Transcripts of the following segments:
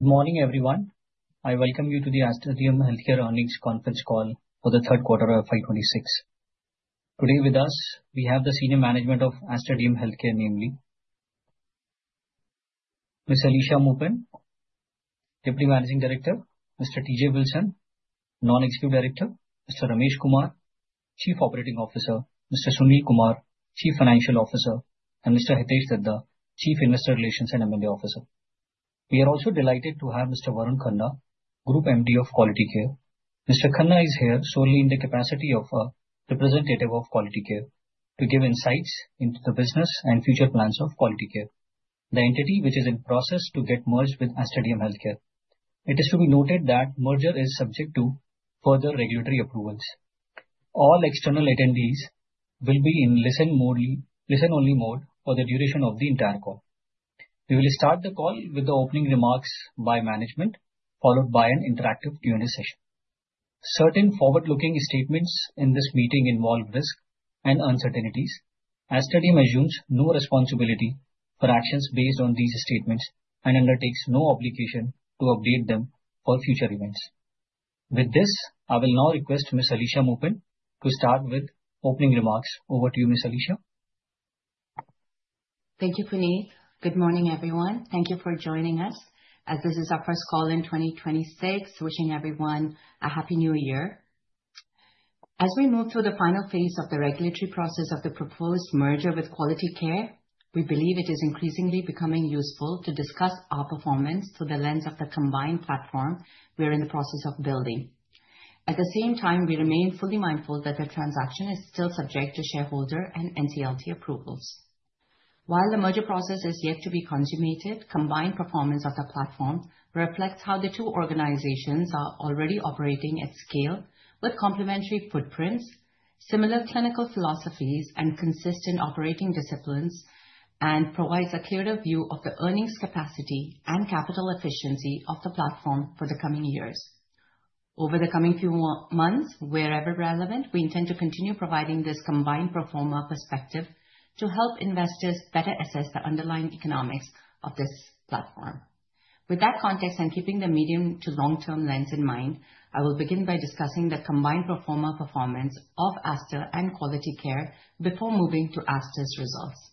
Good morning, everyone. I welcome you to the Aster DM Healthcare Earnings Conference Call for the Third Quarter of FY 26. Today with us, we have the senior management of Aster DM Healthcare, namely, Ms. Alisha Moopen, Deputy Managing Director; Mr. T.J. Wilson, Non-Executive Director; Mr. Ramesh Kumar, Chief Operating Officer; Mr. Sunil Kumar, Chief Financial Officer; and Mr. Hitesh Darda, Chief Investor Relations and M&A Officer. We are also delighted to have Mr. Varun Khanna, Group MD of Quality Care. Mr. Khanna is here solely in the capacity of a representative of Quality Care to give insights into the business and future plans of Quality Care, the entity which is in process to get merged with Aster DM Healthcare. It is to be noted that merger is subject to further regulatory approvals. All external attendees will be in listen-only, listen-only mode for the duration of the entire call. We will start the call with the opening remarks by management, followed by an interactive Q&A session. Certain forward-looking statements in this meeting involve risks and uncertainties. Aster DM assumes no responsibility for actions based on these statements and undertakes no obligation to update them for future events. With this, I will now request Ms. Alisha Moopen to start with opening remarks. Over to you, Ms. Alisha. Thank you, Puneet. Good morning, everyone. Thank you for joining us. As this is our first call in 2026, wishing everyone a Happy New Year. As we move through the final phase of the regulatory process of the proposed merger with Quality Care, we believe it is increasingly becoming useful to discuss our performance through the lens of the combined platform we are in the process of building. At the same time, we remain fully mindful that the transaction is still subject to shareholder and NCLT approvals. While the merger process is yet to be consummated, combined performance of the platform reflects how the two organizations are already operating at scale, with complementary footprints, similar clinical philosophies, and consistent operating disciplines, and provides a clearer view of the earnings capacity and capital efficiency of the platform for the coming years. Over the coming few months, wherever relevant, we intend to continue providing this combined pro forma perspective to help investors better assess the underlying economics of this platform. With that context, and keeping the medium to long-term lens in mind, I will begin by discussing the combined pro forma performance of Aster and Quality Care before moving to Aster's results.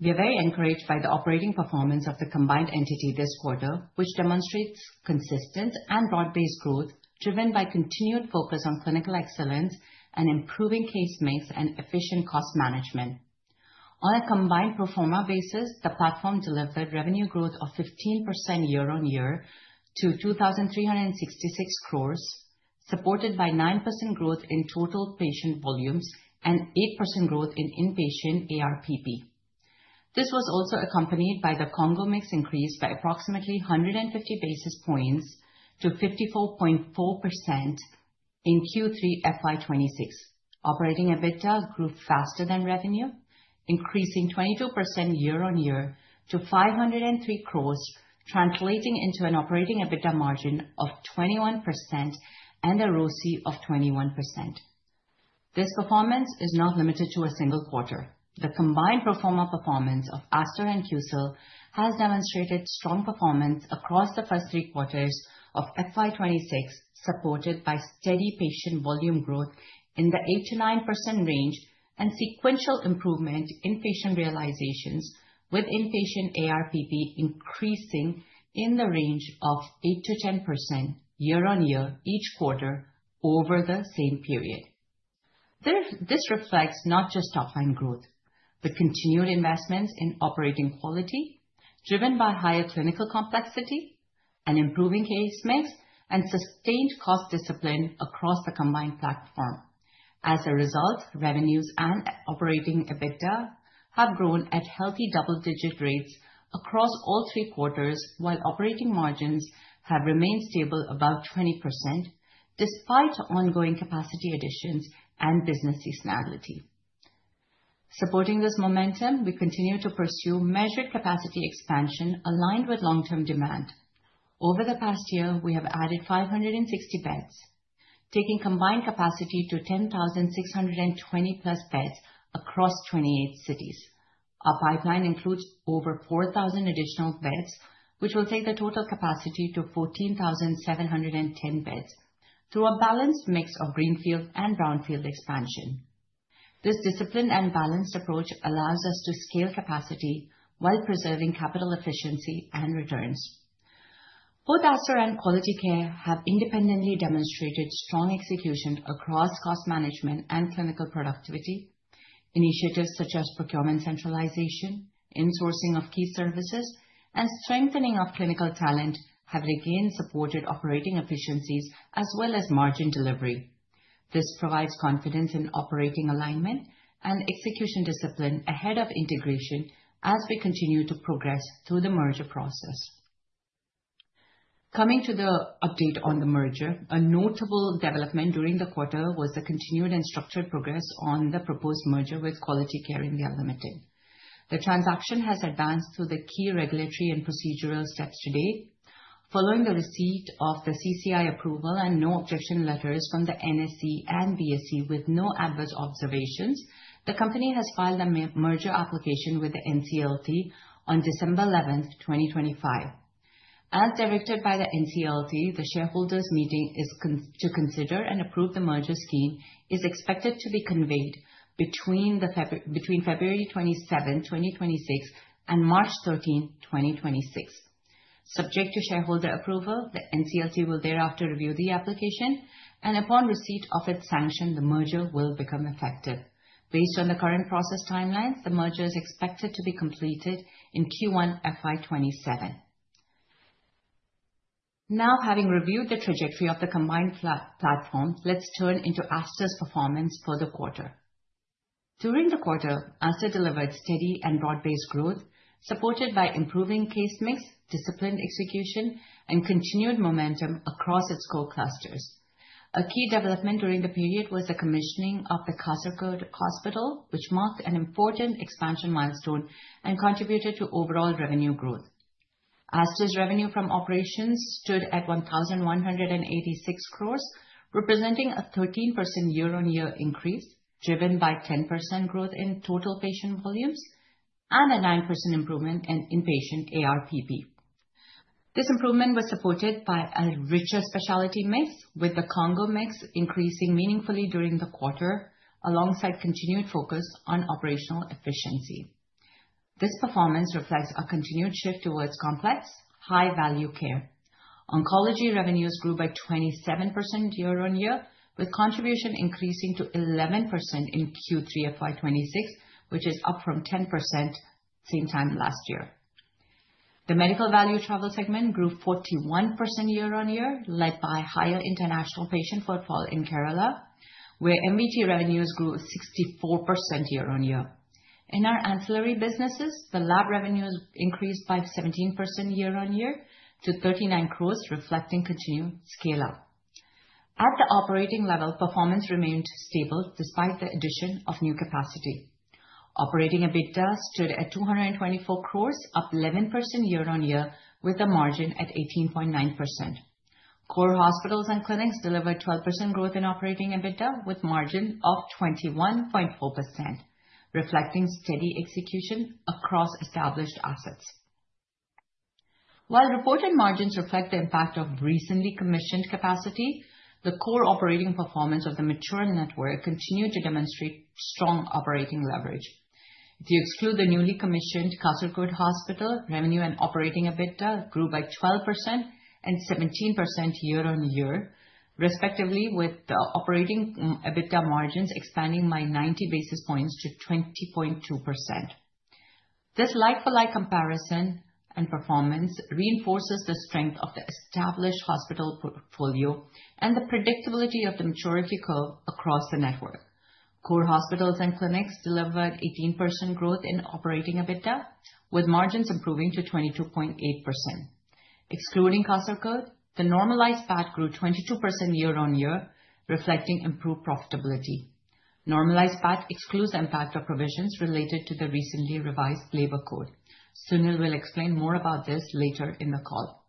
We are very encouraged by the operating performance of the combined entity this quarter, which demonstrates consistent and broad-based growth, driven by continued focus on clinical excellence and improving case mix and efficient cost management. On a combined pro forma basis, the platform delivered revenue growth of 15% year-on-year to 2,366 crores, supported by 9% growth in total patient volumes and 8% growth in inpatient ARPP. This was also accompanied by the combo mix increase by approximately 150 basis points to 54.4% in Q3 FY 2026. Operating EBITDA grew faster than revenue, increasing 22% year-on-year to 503 crore, translating into an operating EBITDA margin of 21% and a ROCE of 21%. This performance is not limited to a single quarter. The combined pro forma performance of Aster and QCL has demonstrated strong performance across the first three quarters of FY 2026, supported by steady patient volume growth in the 8%-9% range and sequential improvement in patient realizations, with inpatient ARPP increasing in the range of 8%-10% year-on-year, each quarter over the same period. Therefore, this reflects not just top-line growth, but continued investments in operating quality, driven by higher clinical complexity and improving case mix, and sustained cost discipline across the combined platform. As a result, revenues and operating EBITDA have grown at healthy double-digit rates across all three quarters, while operating margins have remained stable above 20%, despite ongoing capacity additions and business seasonality. Supporting this momentum, we continue to pursue measured capacity expansion aligned with long-term demand. Over the past year, we have added 560 beds, taking combined capacity to 10,620+ beds across 28 cities. Our pipeline includes over 4,000 additional beds, which will take the total capacity to 14,710 beds through a balanced mix of greenfield and brownfield expansion. This disciplined and balanced approach allows us to scale capacity while preserving capital efficiency and returns. Both Aster and Quality Care have independently demonstrated strong execution across cost management and clinical productivity. Initiatives such as procurement centralization, insourcing of key services, and strengthening of clinical talent have again supported operating efficiencies as well as margin delivery. This provides confidence in operating alignment and execution discipline ahead of integration as we continue to progress through the merger process. Coming to the update on the merger, a notable development during the quarter was the continued and structured progress on the proposed merger with Quality Care India Limited. The transaction has advanced through the key regulatory and procedural steps to date. Following the receipt of the CCI approval and no objection letters from the NSE and BSE with no adverse observations, the company has filed a merger application with the NCLT on December 11, 2025. As directed by the NCLT, the shareholders' meeting is convened to consider and approve the merger scheme, is expected to be conveyed between February 27, 2026, and March 13, 2026. Subject to shareholder approval, the NCLT will thereafter review the application, and upon receipt of its sanction, the merger will become effective. Based on the current process timelines, the merger is expected to be completed in Q1 FY 2027. Now, having reviewed the trajectory of the combined platform, let's turn into Aster's performance for the quarter. During the quarter, Aster delivered steady and broad-based growth, supported by improving case mix, disciplined execution, and continued momentum across its core clusters. A key development during the period was the commissioning of the Kasaragod Hospital, which marked an important expansion milestone and contributed to overall revenue growth. Aster's revenue from operations stood at 1,186 crores, representing a 13% year-on-year increase, driven by 10% growth in total patient volumes and a 9% improvement in in-patient ARPP. This improvement was supported by a richer specialty mix, with the Congo mix increasing meaningfully during the quarter, alongside continued focus on operational efficiency. This performance reflects a continued shift towards complex, high-value care. Oncology revenues grew by 27% year-on-year, with contribution increasing to 11% in Q3 of FY 2026, which is up from 10% same time last year. The medical value travel segment grew 41% year-on-year, led by higher international patient footfall in Kerala, where MVT revenues grew 64% year-on-year. In our ancillary businesses, the lab revenues increased by 17% year-on-year to 39 crores, reflecting continued scale-out. At the operating level, performance remained stable despite the addition of new capacity. Operating EBITDA stood at 224 crore, up 11% year-on-year, with the margin at 18.9%. Core hospitals and clinics delivered 12% growth in operating EBITDA, with margin of 21.4%, reflecting steady execution across established assets. While reported margins reflect the impact of recently commissioned capacity, the core operating performance of the mature network continued to demonstrate strong operating leverage. If you exclude the newly commissioned Kasaragod Hospital, revenue and operating EBITDA grew by 12% and 17% year-on-year, respectively, with the operating EBITDA margins expanding by 90 basis points to 20.2%. This like-for-like comparison and performance reinforces the strength of the established hospital portfolio and the predictability of the maturity curve across the network. Core hospitals and clinics delivered 18% growth in operating EBITDA, with margins improving to 22.8%. Excluding Kasaragod, the normalized PAT grew 22% year-on-year, reflecting improved profitability. Normalized PAT excludes impact of provisions related to the recently revised labor code. Sunil will explain more about this later in the call.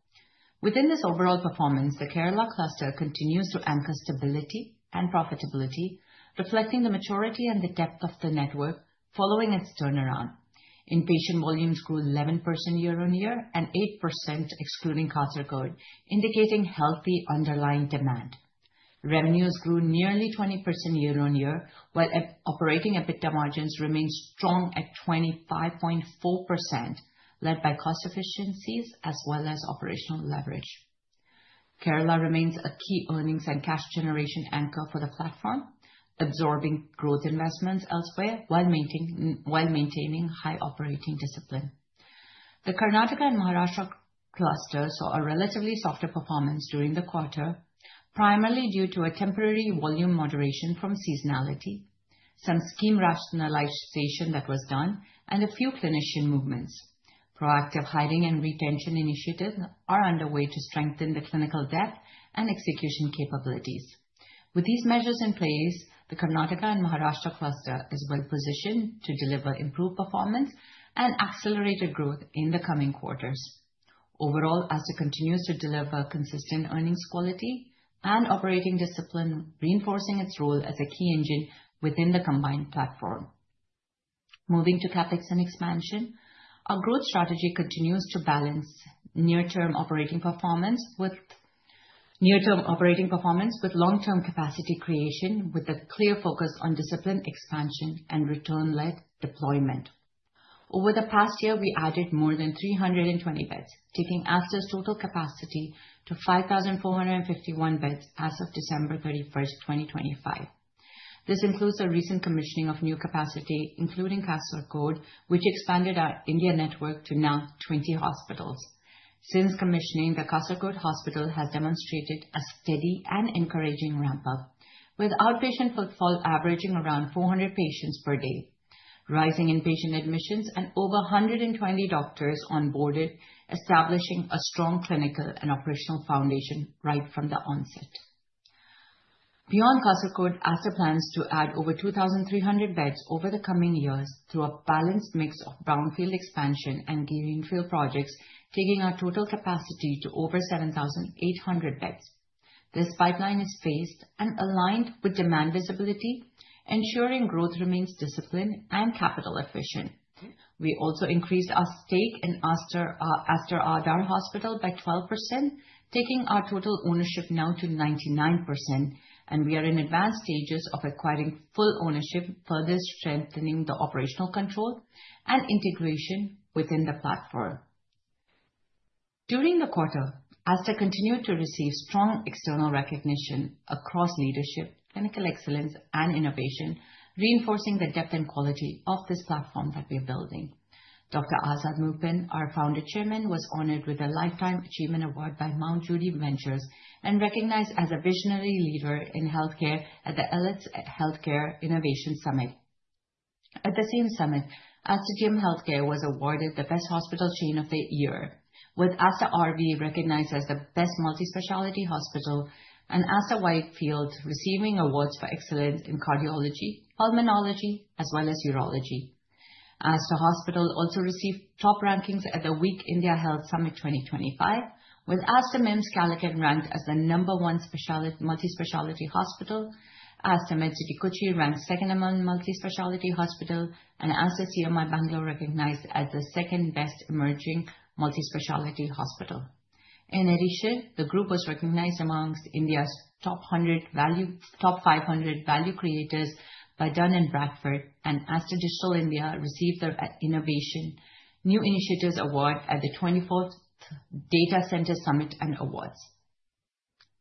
Within this overall performance, the Kerala cluster continues to anchor stability and profitability, reflecting the maturity and the depth of the network following its turnaround. Inpatient volumes grew 11% year-on-year and 8% excluding Kasaragod, indicating healthy underlying demand. Revenues grew nearly 20% year-on-year, while operating EBITDA margins remained strong at 25.4%, led by cost efficiencies as well as operational leverage. Kerala remains a key earnings and cash generation anchor for the platform, absorbing growth investments elsewhere, while maintaining high operating discipline. The Karnataka and Maharashtra clusters saw a relatively softer performance during the quarter, primarily due to a temporary volume moderation from seasonality, some scheme rationalization that was done, and a few clinician movements. Proactive hiring and retention initiatives are underway to strengthen the clinical depth and execution capabilities. With these measures in place, the Karnataka and Maharashtra cluster is well positioned to deliver improved performance and accelerated growth in the coming quarters. Overall, Aster continues to deliver consistent earnings quality and operating discipline, reinforcing its role as a key engine within the combined platform. Moving to CapEx and expansion, our growth strategy continues to balance near-term operating performance with long-term capacity creation, with a clear focus on disciplined expansion and return-led deployment. Over the past year, we added more than 320 beds, taking Aster's total capacity to 5,451 beds as of December 31, 2025. This includes a recent commissioning of new capacity, including Kasaragod, which expanded our India network to now 20 hospitals. Since commissioning, the Kasaragod Hospital has demonstrated a steady and encouraging ramp-up, with outpatient footfall averaging around 400 patients per day, rising inpatient admissions, and over 120 doctors onboarded, establishing a strong clinical and operational foundation right from the onset. Beyond Kasaragod, Aster plans to add over 2,300 beds over the coming years through a balanced mix of brownfield expansion and greenfield projects, taking our total capacity to over 7,800 beds. This pipeline is phased and aligned with demand visibility, ensuring growth remains disciplined and capital efficient. We also increased our stake in Aster, Aster RV Hospital by 12%, taking our total ownership now to 99%, and we are in advanced stages of acquiring full ownership, further strengthening the operational control and integration within the platform. During the quarter, Aster continued to receive strong external recognition across leadership, clinical excellence, and innovation, reinforcing the depth and quality of this platform that we are building. Dr. Azad Moopen, our founder chairman, was honored with a Lifetime Achievement Award by Mount Jud Ventures and recognized as a visionary leader in healthcare at the Elets Healthcare Innovation Summit. At the same summit, Aster DM Healthcare was awarded the Best Hospital Chain of the Year, with Aster RV recognized as the Best Multispecialty Hospital, and Aster Whitefield receiving awards for excellence in cardiology, pulmonology, as well as urology. Aster Hospital also received top rankings at the Week India Health Summit 2025, with Aster MIMS, Calicut ranked as the number one multispecialty hospital, Aster Medcity, Kochi ranked second among multispecialty hospital, and Aster CMI, Bangalore, recognized as the second best emerging multispecialty hospital. In addition, the group was recognized amongst India's top 500 value creators by Dun & Bradstreet, and Aster Digital India received their Innovation New Initiatives Award at the 24th Data Center Summit & Awards.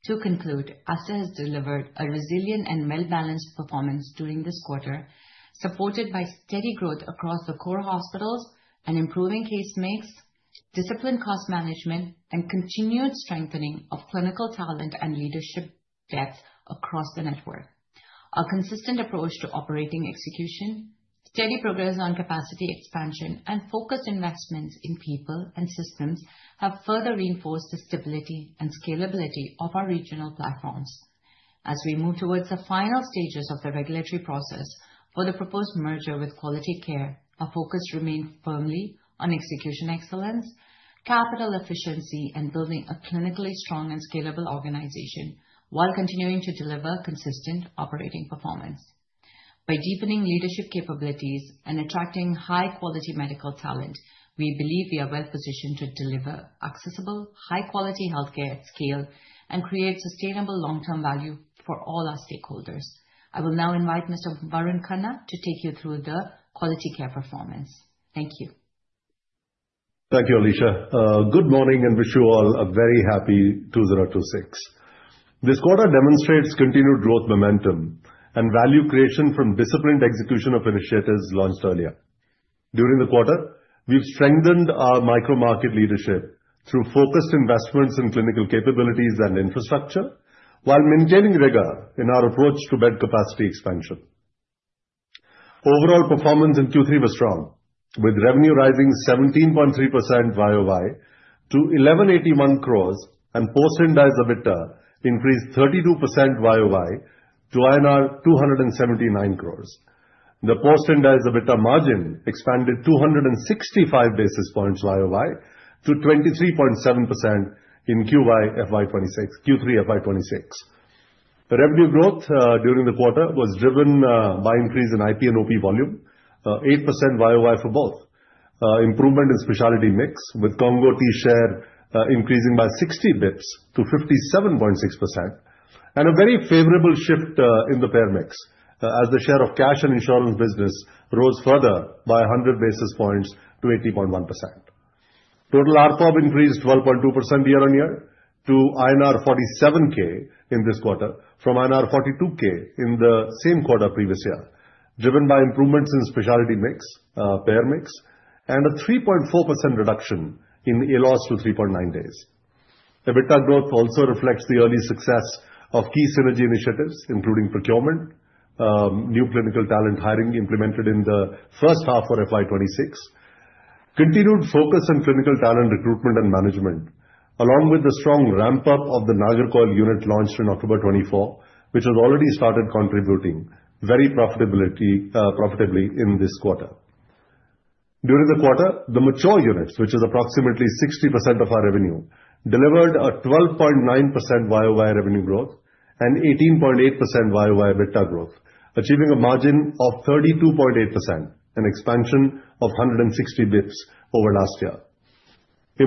To conclude, Aster has delivered a resilient and well-balanced performance during this quarter, supported by steady growth across the core hospitals and improving case mix, disciplined cost management, and continued strengthening of clinical talent and leadership depth across the network. Our consistent approach to operating execution, steady progress on capacity expansion, and focused investments in people and systems have further reinforced the stability and scalability of our regional platforms. As we move towards the final stages of the regulatory process for the proposed merger with Quality Care, our focus remains firmly on execution excellence, capital efficiency, and building a clinically strong and scalable organization, while continuing to deliver consistent operating performance. By deepening leadership capabilities and attracting high-quality medical talent, we believe we are well positioned to deliver accessible, high-quality healthcare at scale and create sustainable long-term value for all our stakeholders. I will now invite Mr. Varun Khanna to take you through the Quality Care performance. Thank you. Thank you, Alisha. Good morning, and wish you all a very happy 2026. This quarter demonstrates continued growth, momentum, and value creation from disciplined execution of initiatives launched earlier. During the quarter, we've strengthened our micro-market leadership through focused investments in clinical capabilities and infrastructure, while maintaining rigor in our approach to bed capacity expansion. Overall performance in Q3 was strong, with revenue rising 17.3% YoY to 1,181 crores, and post-Ind AS EBITDA increased 32% YoY to INR 279 crores. The post-Ind AS EBITDA margin expanded 265 basis points YoY to 23.7% in Q3 FY 2026. The revenue growth during the quarter was driven by increase in IP and OP volume 8% YoY for both. Improvement in specialty mix, with Congo T share increasing by 60 basis points to 57.6%, and a very favorable shift in the payer mix as the share of cash and insurance business rose further by 100 basis points to 80.1%. Total RPOB increased 12.2% year-on-year to INR 47 thousand in this quarter from INR 42 thousand in the same quarter previous year, driven by improvements in specialty mix, payer mix, and a 3.4% reduction in ALOS to 3.9 days. EBITDA growth also reflects the early success of key synergy initiatives, including procurement, new clinical talent hiring implemented in the first half of FY 2026. Continued focus on clinical talent recruitment and management, along with the strong ramp-up of the Nagercoil unit launched in October 2024, which has already started contributing profitably in this quarter. During the quarter, the mature units, which is approximately 60% of our revenue, delivered a 12.9% YoY revenue growth and 18.8% YoY EBITDA growth, achieving a margin of 32.8%, an expansion of 160 basis points over last year.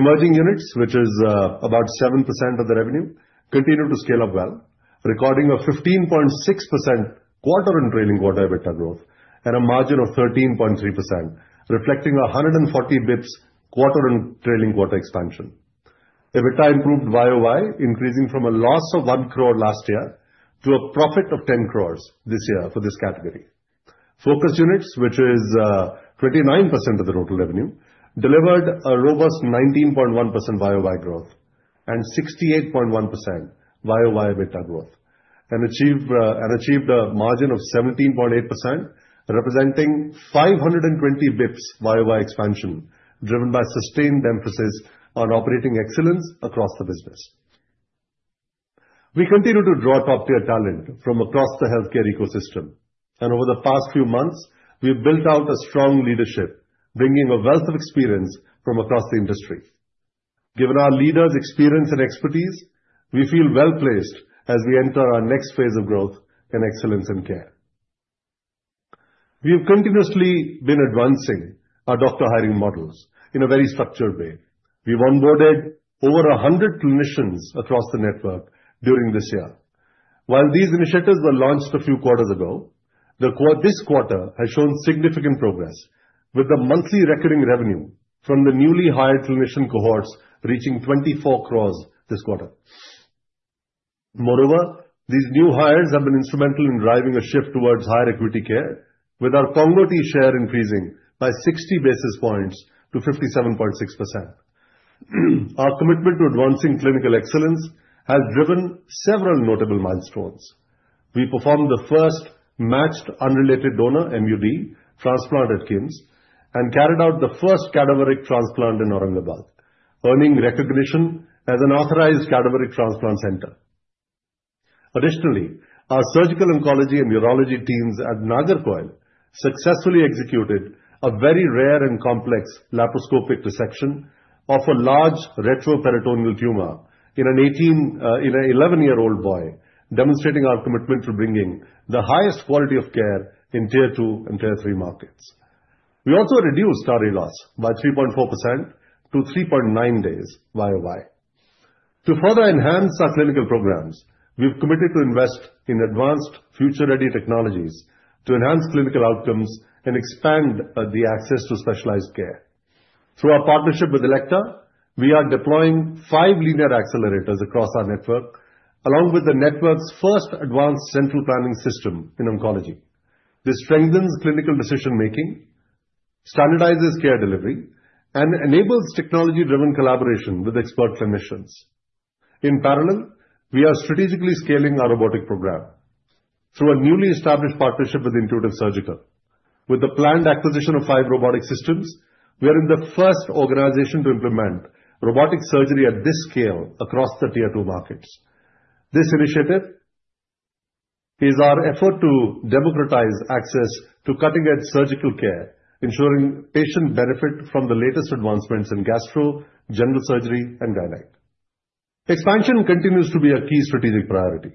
Emerging units, which is about 7% of the revenue, continued to scale up well, recording a 15.6% quarter and trailing quarter EBITDA growth at a margin of 13.3%, reflecting a 140 basis points quarter and trailing quarter expansion. EBITDA improved YoY, increasing from a loss of 1 crore last year to a profit of 10 crore this year for this category. Focus units, which is 29% of the total revenue, delivered a robust 19.1% YoY growth and 68.1% YoY EBITDA growth, and achieved a margin of 17.8%, representing 520 basis points YoY expansion, driven by sustained emphasis on operating excellence across the business. We continue to draw top-tier talent from across the healthcare ecosystem, and over the past few months, we've built out a strong leadership, bringing a wealth of experience from across the industry. Given our leaders' experience and expertise, we feel well-placed as we enter our next phase of growth and excellence in care. We have continuously been advancing our doctor hiring models in a very structured way. We've onboarded over 100 clinicians across the network during this year. While these initiatives were launched a few quarters ago, this quarter has shown significant progress, with the monthly recurring revenue from the newly hired clinician cohorts reaching 24 crore this quarter. Moreover, these new hires have been instrumental in driving a shift towards higher acuity care, with our Congo T share increasing by 60 basis points to 57.6%. Our commitment to advancing clinical excellence has driven several notable milestones. We performed the first matched unrelated donor, MUD, transplant at KIMS and carried out the first cadaveric transplant in Aurangabad, earning recognition as an authorized cadaveric transplant center. Additionally, our surgical oncology and urology teams at Nagarcoil successfully executed a very rare and complex laparoscopic dissection of a large retroperitoneal tumor in an 11-year-old boy, demonstrating our commitment to bringing the highest quality of care in Tier 2 and Tier 3 markets. We also reduced ALOS by 3.4% to 3.9 days year-over-year. To further enhance our clinical programs, we've committed to invest in advanced future-ready technologies to enhance clinical outcomes and expand, the access to specialized care. Through our partnership with Elekta, we are deploying 5 linear accelerators across our network, along with the network's first advanced central planning system in oncology. This strengthens clinical decision making, standardizes care delivery, and enables technology-driven collaboration with expert clinicians. In parallel, we are strategically scaling our robotic program through a newly established partnership with Intuitive Surgical. With the planned acquisition of 5 robotic systems, we are the first organization to implement robotic surgery at this scale across the Tier 2 markets. This initiative is our effort to democratize access to cutting-edge surgical care, ensuring patients benefit from the latest advancements in gastro, general surgery, and gyne. Expansion continues to be a key strategic priority.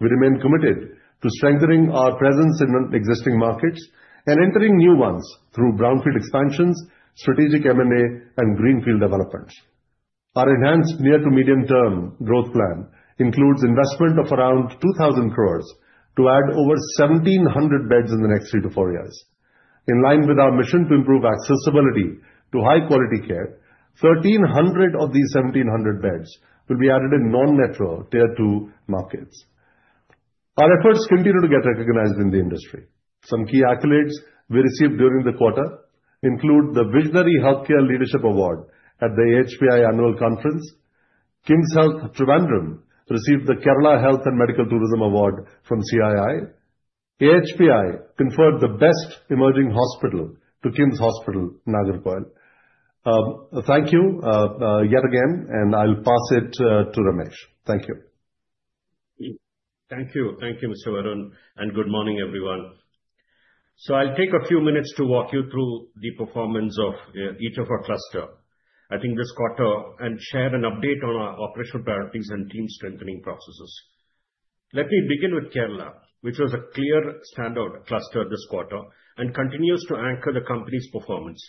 We remain committed to strengthening our presence in existing markets and entering new ones through brownfield expansions, strategic M&A, and greenfield developments. Our enhanced near- to medium-term growth plan includes investment of around 2,000 crore to add over 1,700 beds in the next 3-4 years. In line with our mission to improve accessibility to high-quality care, 1,300 of these 1,700 beds will be added in non-metro Tier 2 markets. Our efforts continue to get recognized in the industry. Some key accolades we received during the quarter include the Visionary Healthcare Leadership Award at the AHPI Annual Conference. KIMSHEALTH, Trivandrum, received the Kerala Health and Medical Tourism Award from CII. AHPI conferred the Best Emerging Hospital to KIMSHEALTH, Nagercoil. Thank you yet again, and I'll pass it to Ramesh. Thank you. Thank you. Thank you, Mr. Varun, and good morning, everyone. I'll take a few minutes to walk you through the performance of each of our cluster, I think this quarter, and share an update on our operational priorities and team strengthening processes. Let me begin with Kerala, which was a clear standout cluster this quarter and continues to anchor the company's performance.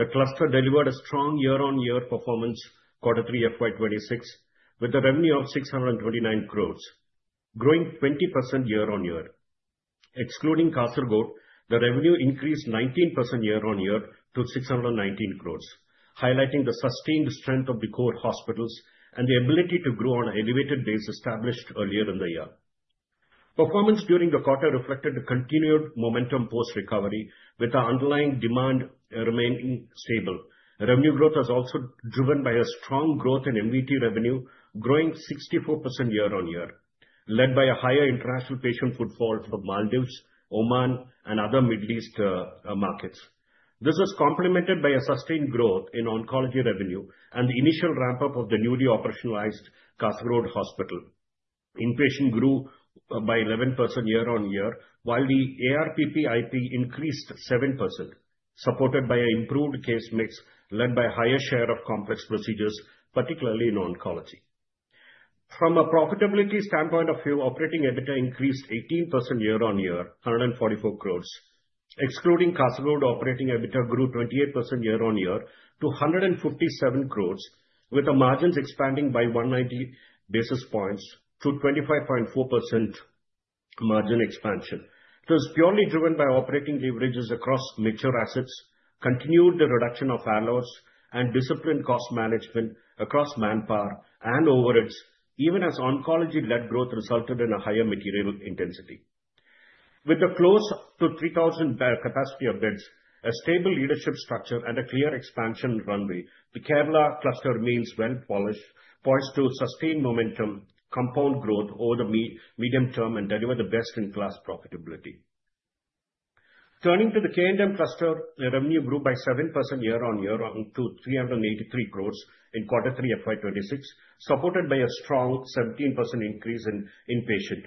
The cluster delivered a strong year-on-year performance, quarter three FY 2026, with a revenue of 629 crore, growing 20% year-on-year. Excluding Kasaragod, the revenue increased 19% year-on-year to 619 crore, highlighting the sustained strength of the core hospitals and the ability to grow on an elevated base established earlier in the year. Performance during the quarter reflected the continued momentum post-recovery, with our underlying demand remaining stable. Revenue growth was also driven by a strong growth in MVT revenue, growing 64% year-on-year, led by a higher international patient footfall from the Maldives, Oman, and other Middle East markets. This was complemented by a sustained growth in oncology revenue and the initial ramp-up of the newly operationalized Kasaragod Hospital. Inpatient grew by 11% year-on-year, while the ARPP IP increased 7%, supported by an improved case mix led by a higher share of complex procedures, particularly in oncology. From a profitability standpoint of view, operating EBITDA increased 18% year-on-year, 144 crore. Excluding Kasaragod, operating EBITDA grew 28% year-on-year to 157 crore, with the margins expanding by 190 basis points to 25.4% margin expansion. It was purely driven by operating leverages across mature assets, continued the reduction of ALOS and disciplined cost management across manpower and overheads, even as oncology-led growth resulted in a higher material intensity. With a close to 3,000-bed capacity of beds, a stable leadership structure, and a clear expansion runway, the Kerala cluster remains well-positioned, poised to sustain momentum, compound growth over the medium term, and deliver the best-in-class profitability. Turning to the K&M cluster, revenue grew by 7% year-on-year, up to 383 crore in quarter 3 FY 2026, supported by a strong 17% increase in, in-patient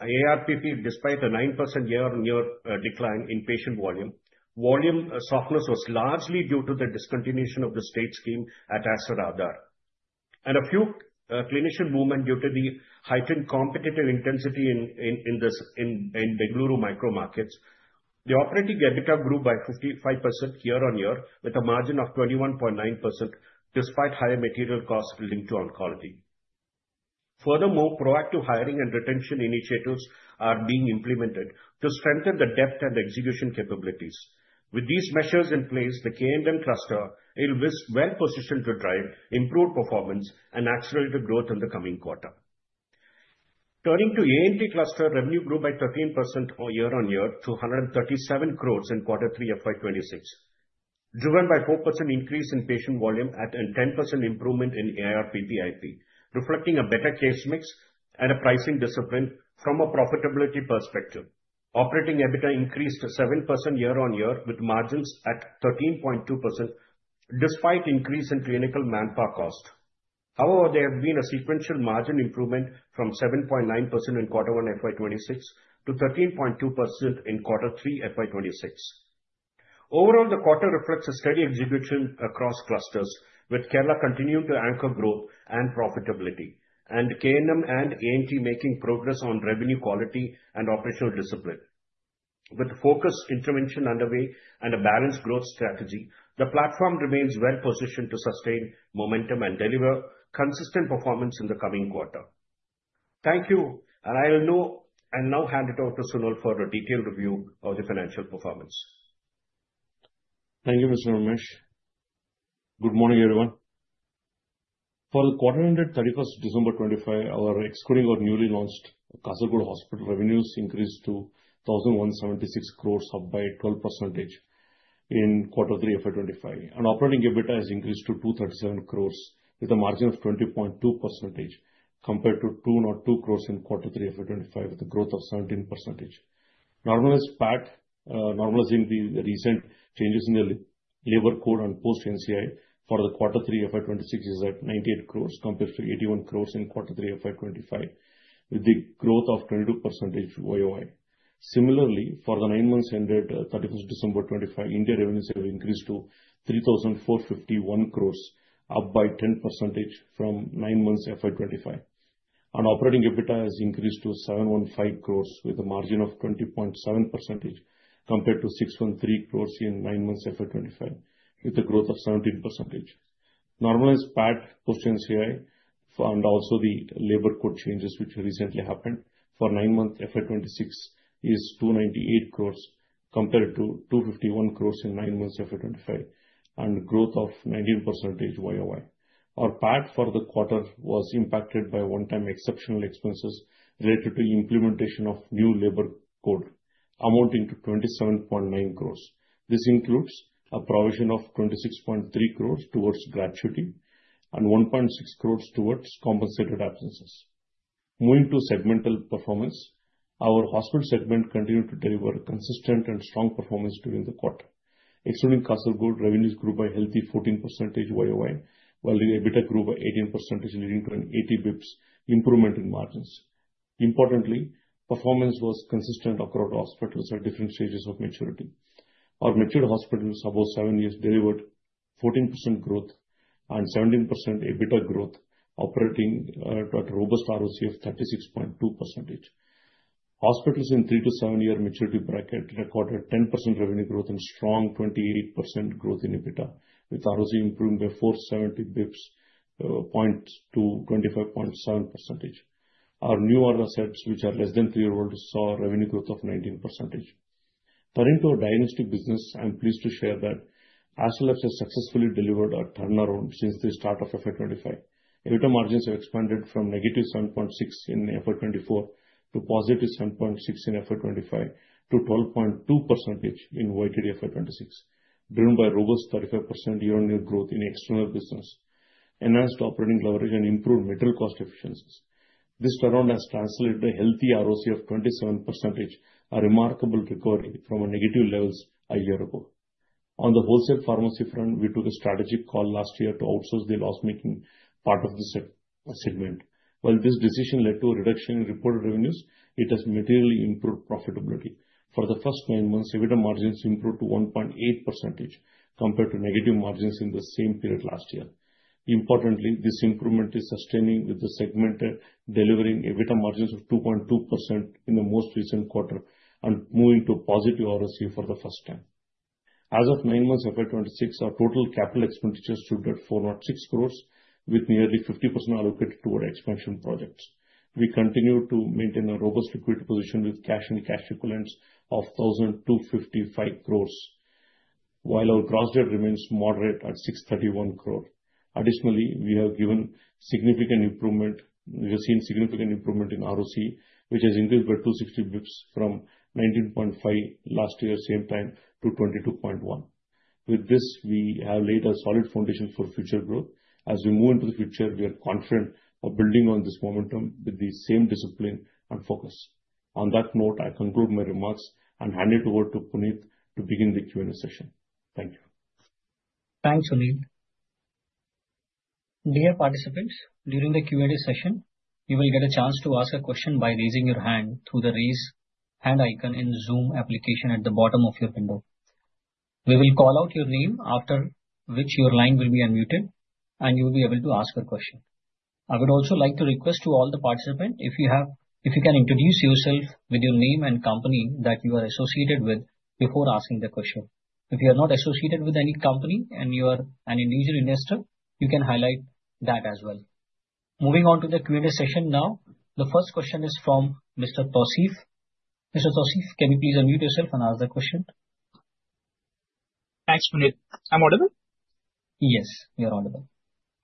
ARPP, despite a 9% year-on-year decline in patient volume. Volume softness was largely due to the discontinuation of the state scheme at Aster Aadhar, and a few clinician movement due to the heightened competitive intensity in this Bengaluru micro markets. The operating EBITDA grew by 55% year-on-year, with a margin of 21.9%, despite higher material costs linked to oncology. Furthermore, proactive hiring and retention initiatives are being implemented to strengthen the depth and execution capabilities. With these measures in place, the K&M cluster will be well positioned to drive improved performance and accelerated growth in the coming quarter. Turning to A&T cluster, revenue grew by 13% year-on-year to 137 crore in quarter three FY 2026, driven by 4% increase in patient volume at a 10% improvement in ARPPIP, reflecting a better case mix and a pricing discipline from a profitability perspective. Operating EBITDA increased 7% year-on-year, with margins at 13.2%, despite increase in clinical manpower cost. However, there have been a sequential margin improvement from 7.9% in quarter one FY 2026 to 13.2% in quarter three, FY 2026. Overall, the quarter reflects a steady execution across clusters, with Kerala continuing to anchor growth and profitability, and K&M and A&T making progress on revenue quality and operational discipline. With focused intervention underway and a balanced growth strategy, the platform remains well positioned to sustain momentum and deliver consistent performance in the coming quarter. Thank you, and I will now hand it over to Sunil for a detailed review of the financial performance. Thank you, Mr. Ramesh. Good morning, everyone. For the quarter ended 31 December 2025, our excluding our newly launched Kasaragod Hospital, revenues increased to 1,076 crores, up by 12% in quarter 3 FY 2025, and operating EBITDA has increased to 237 crores with a margin of 20.2%, compared to 202 crores in quarter three FY 2025, with a growth of 17%. Normalized PAT, normalized in the recent changes in the labor code and post NCI for the quarter 3 FY 2026 is at 98 crores, compared to 81 crores in quarter 3 FY 2025, with the growth of 22% YoY. Similarly, for the nine months ended 31 December 2025, India revenues have increased to 3,451 crores, up by 10% from nine months FY 2025. Operating EBITDA has increased to 715 crores with a margin of 20.7%, compared to 613 crores in nine months FY 2025, with a growth of 17%. Normalized PAT post NCI and also the labor code changes which recently happened for nine months FY 2026 is 298 crores compared to 251 crores in nine months FY 2025, and growth of 19% YoY. Our PAT for the quarter was impacted by one-time exceptional expenses related to implementation of new labor code, amounting to 27.9 crores. This includes a provision of 26.3 crores towards gratuity and 1.6 crores towards compensated absences. Moving to segmental performance, our hospital segment continued to deliver consistent and strong performance during the quarter. Excluding Kasaragod, revenues grew by a healthy 14% YoY, while the EBITDA grew by 18%, leading to an 80 basis points improvement in margins. Importantly, performance was consistent across hospitals at different stages of maturity. Our mature hospitals, about seven years, delivered 14% growth and 17% EBITDA growth, operating at a robust ROC of 36.2%. Hospitals in three to seven year maturity bracket recorded 10% revenue growth and strong 28% growth in EBITDA, with ROC improving by 470 basis points to 25.7%. Our new assets, which are less than three years old, saw revenue growth of 19%. Turning to our diagnostic business, I'm pleased to share that Aster Labs has successfully delivered a turnaround since the start of FY 2025. EBITDA margins have expanded from -7.6% in FY 2024 to +7.6% in FY 2025, to 12.2% in YTD FY 2026, driven by robust 35% year-on-year growth in external business, enhanced operating leverage and improved material cost efficiencies. This turnaround has translated a healthy ROC of 27%, a remarkable recovery from our negative levels a year ago. On the wholesale pharmacy front, we took a strategic call last year to outsource the loss-making part of the segment. While this decision led to a reduction in reported revenues, it has materially improved profitability. For the first nine months, EBITDA margins improved to 1.8% compared to negative margins in the same period last year. Importantly, this improvement is sustaining, with the segment delivering EBITDA margins of 2.2% in the most recent quarter and moving to a positive ROC for the first time. As of nine months FY 2026, our total capital expenditures stood at 406 crore, with nearly 50% allocated to our expansion projects. We continue to maintain a robust liquid position with cash and cash equivalents of 1,255 crore, while our gross debt remains moderate at 631 crore. Additionally, we have given significant improvement- we have seen significant improvement in ROC, which has increased by 260 basis points from 19.5 last year, same time, to 22.1. ...With this, we have laid a solid foundation for future growth. As we move into the future, we are confident of building on this momentum with the same discipline and focus. On that note, I conclude my remarks and hand it over to Puneet to begin the Q&A session. Thank you. Thanks, Sunil. Dear participants, during the Q&A session, you will get a chance to ask a question by raising your hand through the Raise Hand icon in Zoom application at the bottom of your window. We will call out your name, after which your line will be unmuted, and you will be able to ask a question. I would also like to request to all the participants, if you can introduce yourself with your name and company that you are associated with before asking the question. If you are not associated with any company and you are an individual investor, you can highlight that as well. Moving on to the Q&A session now. The first question is from Mr. Tausif. Mr. Tausif, can you please unmute yourself and ask the question? Thanks, Puneet. I'm audible? Yes, you are audible.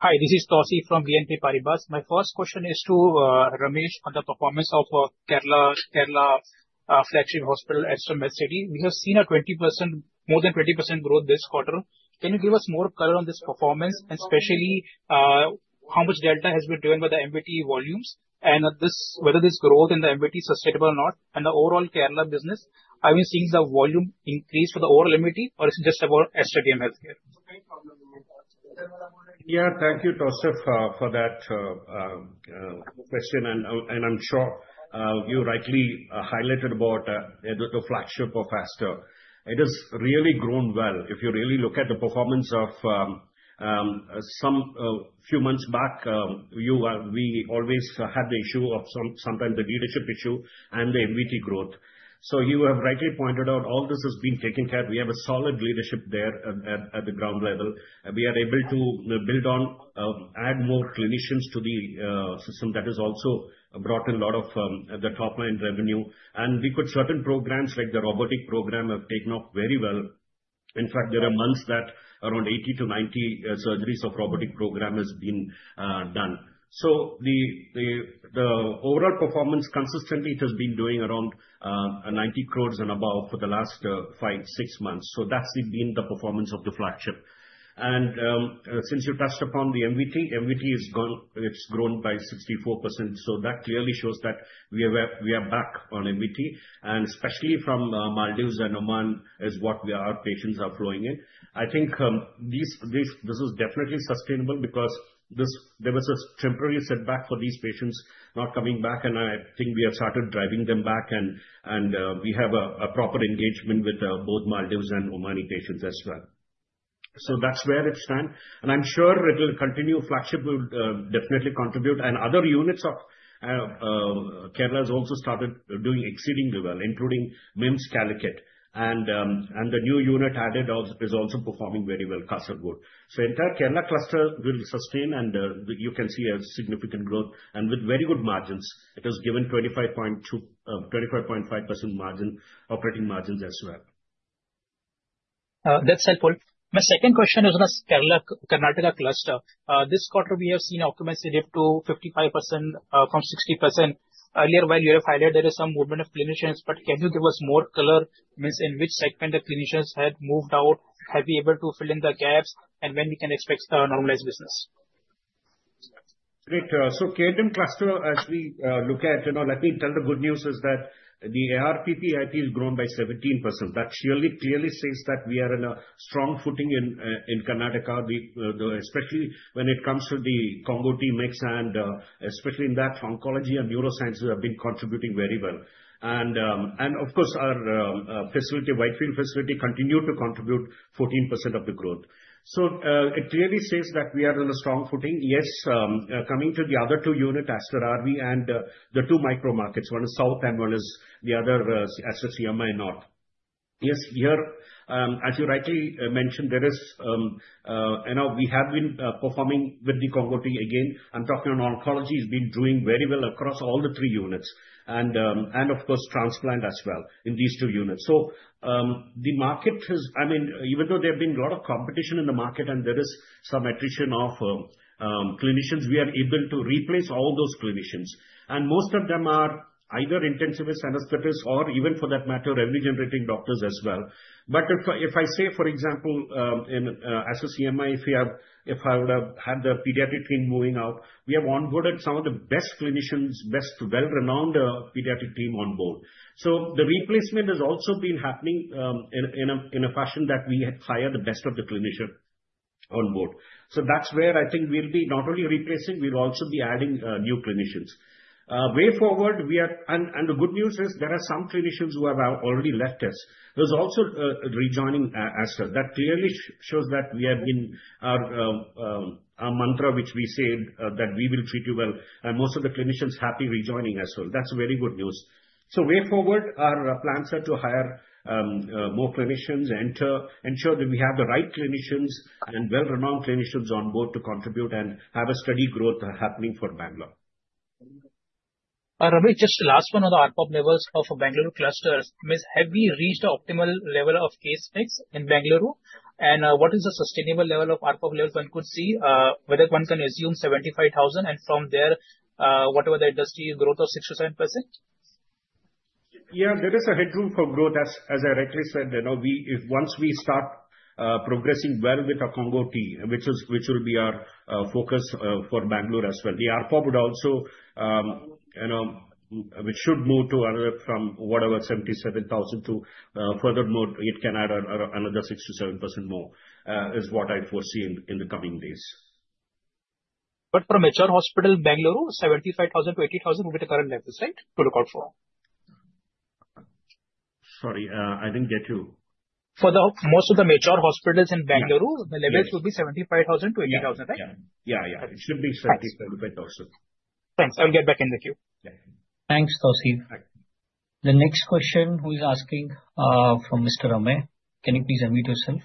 Hi, this is Tausif from BNP Paribas. My first question is to Ramesh on the performance of Kerala, Kerala, flagship hospital, Aster Medcity. We have seen a 20%, more than 20% growth this quarter. Can you give us more color on this performance, and especially, how much delta has been driven by the MVT volumes? And this, whether this growth in the MVT is sustainable or not, and the overall Kerala business, are we seeing the volume increase for the overall MVT, or is it just about Aster DM Healthcare? Yeah. Thank you, Tausif, for that question. I'm sure you rightly highlighted about the flagship of Aster. It has really grown well. If you really look at the performance of some few months back, we always had the issue of sometimes the leadership issue and the MVT growth. So you have rightly pointed out, all this has been taken care. We have a solid leadership there at the ground level. We are able to build on, add more clinicians to the system that has also brought in a lot of the top-line revenue. And we've got certain programs, like the robotic program, have taken off very well. In fact, there are months that around 80-90 surgeries of robotic program has been done. So the overall performance, consistently, it has been doing around 90 crores and above for the last five to six months. So that's been the performance of the flagship. And since you touched upon the MVT, MVT has grown, it's grown by 64%. So that clearly shows that we are back, we are back on MVT, and especially from Maldives and Oman, is what we are, our patients are flowing in. I think this is definitely sustainable because this, there was a temporary setback for these patients not coming back, and I think we have started driving them back and we have a proper engagement with both Maldives and Omani patients as well. So that's where it stands, and I'm sure it will continue. Flagship will definitely contribute. Other units of Kerala has also started doing exceedingly well, including MIMS, Calicut. And the new unit added is also performing very well, Kasaragod. Entire Kerala cluster will sustain, and you can see a significant growth, and with very good margins. It has given 25.2, 25.5% margin, operating margins as well. That's helpful. My second question is on the Kerala-Karnataka cluster. This quarter, we have seen occupancy dip to 55%, from 60%. Earlier, well, you have highlighted there is some movement of clinicians, but can you give us more color, means in which segment the clinicians had moved out? Have you able to fill in the gaps, and when we can expect, normalized business? Great. So KTM cluster, as we look at, you know, let me tell the good news is that the ARPOP has grown by 17%. That surely clearly says that we are in a strong footing in Karnataka. We especially when it comes to the combo T mix and especially in that, oncology and neurosciences have been contributing very well. And and of course, our facility, Whitefield facility, continued to contribute 14% of the growth. So it clearly says that we are in a strong footing. Yes, coming to the other two unit, Aster RV and the two micro markets, one is South and one is the other, Aster CMI North. Yes, here, as you rightly mentioned, there is you know, we have been performing with the combo T again. I'm talking on oncology has been doing very well across all the three units. And, and of course, transplant as well in these two units. So, the market has... I mean, even though there have been a lot of competition in the market and there is some attrition of clinicians, we are able to replace all those clinicians. And most of them are either intensivists, anesthetists or even for that matter, revenue-generating doctors as well. But if I, if I say, for example, in Aster CMI, if we have—if I would have had the pediatric team moving out, we have onboarded some of the best clinicians, best, well-renowned pediatric team on board. So the replacement has also been happening, in a, in a fashion that we hire the best of the clinician on board. So that's where I think we'll be not only replacing, we'll also be adding new clinicians. Way forward, and the good news is, there are some clinicians who have already left us, who's also rejoining Aster. That clearly shows that we have been our mantra, which we said, that we will treat you well, and most of the clinicians happy rejoining us. So that's very good news. So way forward, our plans are to hire more clinicians, ensure that we have the right clinicians and well-renowned clinicians on board to contribute and have a steady growth happening for Bangalore. Ramesh, just last one on the ARPOP levels of Bangalore clusters. Means, have you reached the optimal level of case mix in Bangalore? And, what is the sustainable level of ARPOP levels one could see, whether one can assume 75,000, and from there, what would the industry growth of 6%-7%? ...Yeah, there is a headroom for growth, as, as I rightly said, you know, we, if once we start progressing well with our Congo T, which is, which will be our focus for Bangalore as well, the ARPP would also, you know, it should move to another from whatever, 77,000 to further more, it can add another 6%-7% more, is what I'd foresee in, in the coming days. But for a mature hospital in Bangalore, 75,000-80,000 will be the current level, right? Protocol for. Sorry, I didn't get you. For the most of the mature hospitals in Bangalore- Yeah. The levels will be 75,000-80,000, right? Yeah, yeah. It should be 75,000. Thanks. I'll get back in the queue. Yeah. Thanks, Tauseef. Bye. The next question, who is asking, from Mr. Amey. Can you please unmute yourself?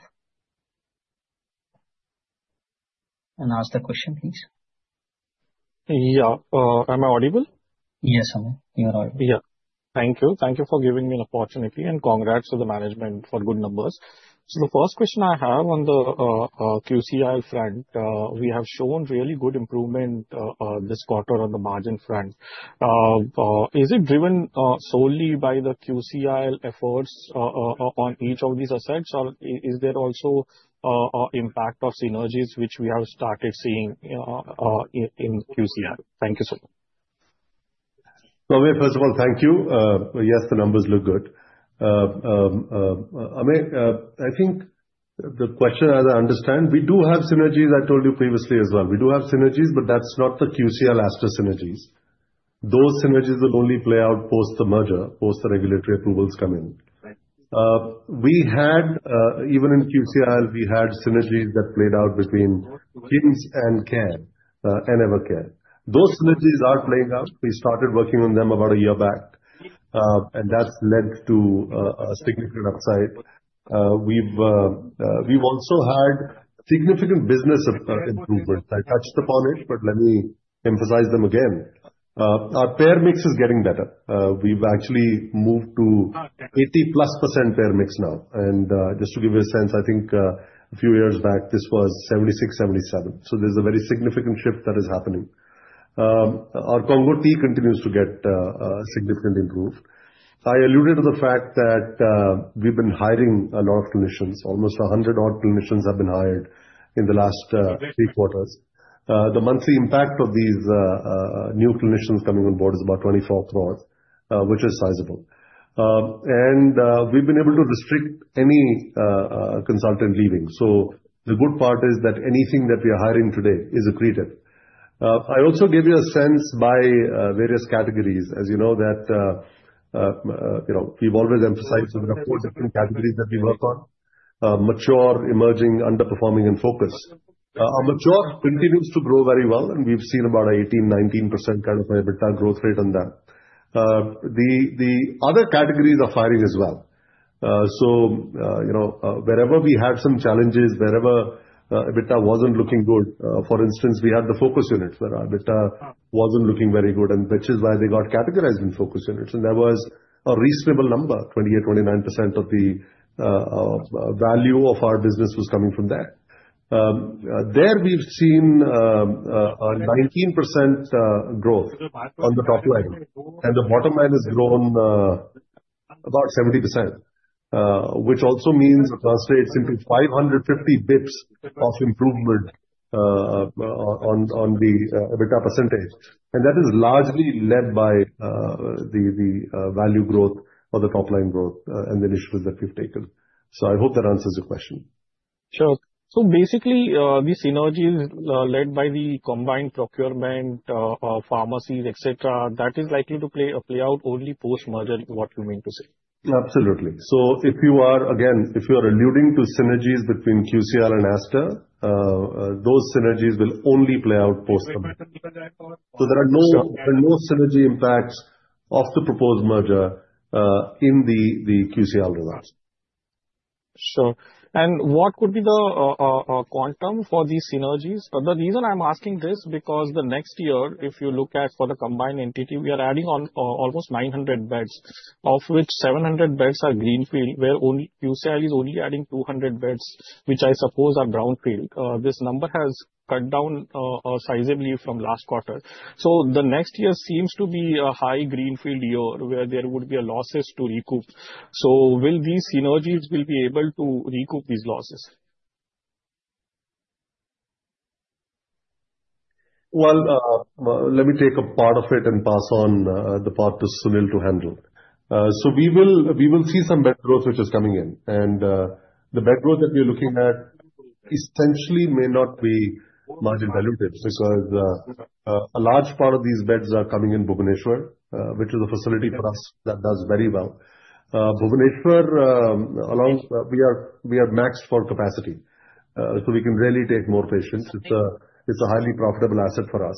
And ask the question, please. Yeah. Am I audible? Yes, Amey, you are audible. Yeah. Thank you. Thank you for giving me an opportunity, and congrats to the management for good numbers. So the first question I have on the QCL front, we have shown really good improvement this quarter on the margin front. Is it driven solely by the QCL efforts on each of these assets, or is there also a impact of synergies which we have started seeing in QCL? Thank you, sir. Amey, first of all, thank you. Yes, the numbers look good. Amey, I think the question as I understand, we do have synergies, I told you previously as well. We do have synergies, but that's not the QCL Aster synergies. Those synergies will only play out post the merger, post the regulatory approvals come in. Right. We had even in QCL, we had synergies that played out between KIMS and CARE, and Evercare. Those synergies are playing out. We started working on them about a year back, and that's led to a significant upside. We've also had significant business improvement. I touched upon it, but let me emphasize them again. Our payer mix is getting better. We've actually moved to 80%+ payer mix now, and just to give you a sense, I think a few years back, this was 76, 77. So there's a very significant shift that is happening. Our Combo T continues to get significantly improved. I alluded to the fact that we've been hiring a lot of clinicians. Almost 100-odd clinicians have been hired in the last three quarters. The monthly impact of these new clinicians coming on board is about 24 crore, which is sizable. We've been able to restrict any consultant leaving. So the good part is that anything that we are hiring today is accretive. I also gave you a sense by various categories, as you know, that you know, we've always emphasized the four different categories that we work on: mature, emerging, underperforming, and focus. Our mature continues to grow very well, and we've seen about 18%-19% kind of EBITDA growth rate on that. The other categories are hiring as well. So, you know, wherever we have some challenges, wherever EBITDA wasn't looking good, for instance, we had the focus units where our EBITDA wasn't looking very good, and which is why they got categorized in focus units. And that was a reasonable number, 28-29% of the value of our business was coming from that. There, we've seen a 19% growth on the top line, and the bottom line has grown about 70%, which also means it translates into 550 basis points of improvement on the EBITDA percentage. And that is largely led by the value growth or the top line growth and the initiatives that we've taken. So I hope that answers your question. Sure. So basically, the synergies, led by the combined procurement, pharmacies, et cetera, that is likely to play out only post-merger, is what you mean to say? Absolutely. So if you are, again, if you are alluding to synergies between QCL and Aster, those synergies will only play out post-merger. So there are no, there are no synergy impacts of the proposed merger in the QCL results. Sure. And what could be the quantum for these synergies? The reason I'm asking this, because the next year, if you look at for the combined entity, we are adding on almost 900 beds, of which 700 beds are greenfield, where only QCL is only adding 200 beds, which I suppose are brownfield. This number has cut down sizably from last quarter. So the next year seems to be a high greenfield year, where there would be a losses to recoup. So will these synergies will be able to recoup these losses? Well, let me take a part of it and pass on the part to Sunil to handle. So we will see some bed growth, which is coming in. And the bed growth that we are looking at essentially may not be margin dilutive, because a large part of these beds are coming in Bhubaneswar, which is a facility for us that does very well. Bhubaneswar allows... We are maxed for capacity, so we can barely take more patients. It's a highly profitable asset for us.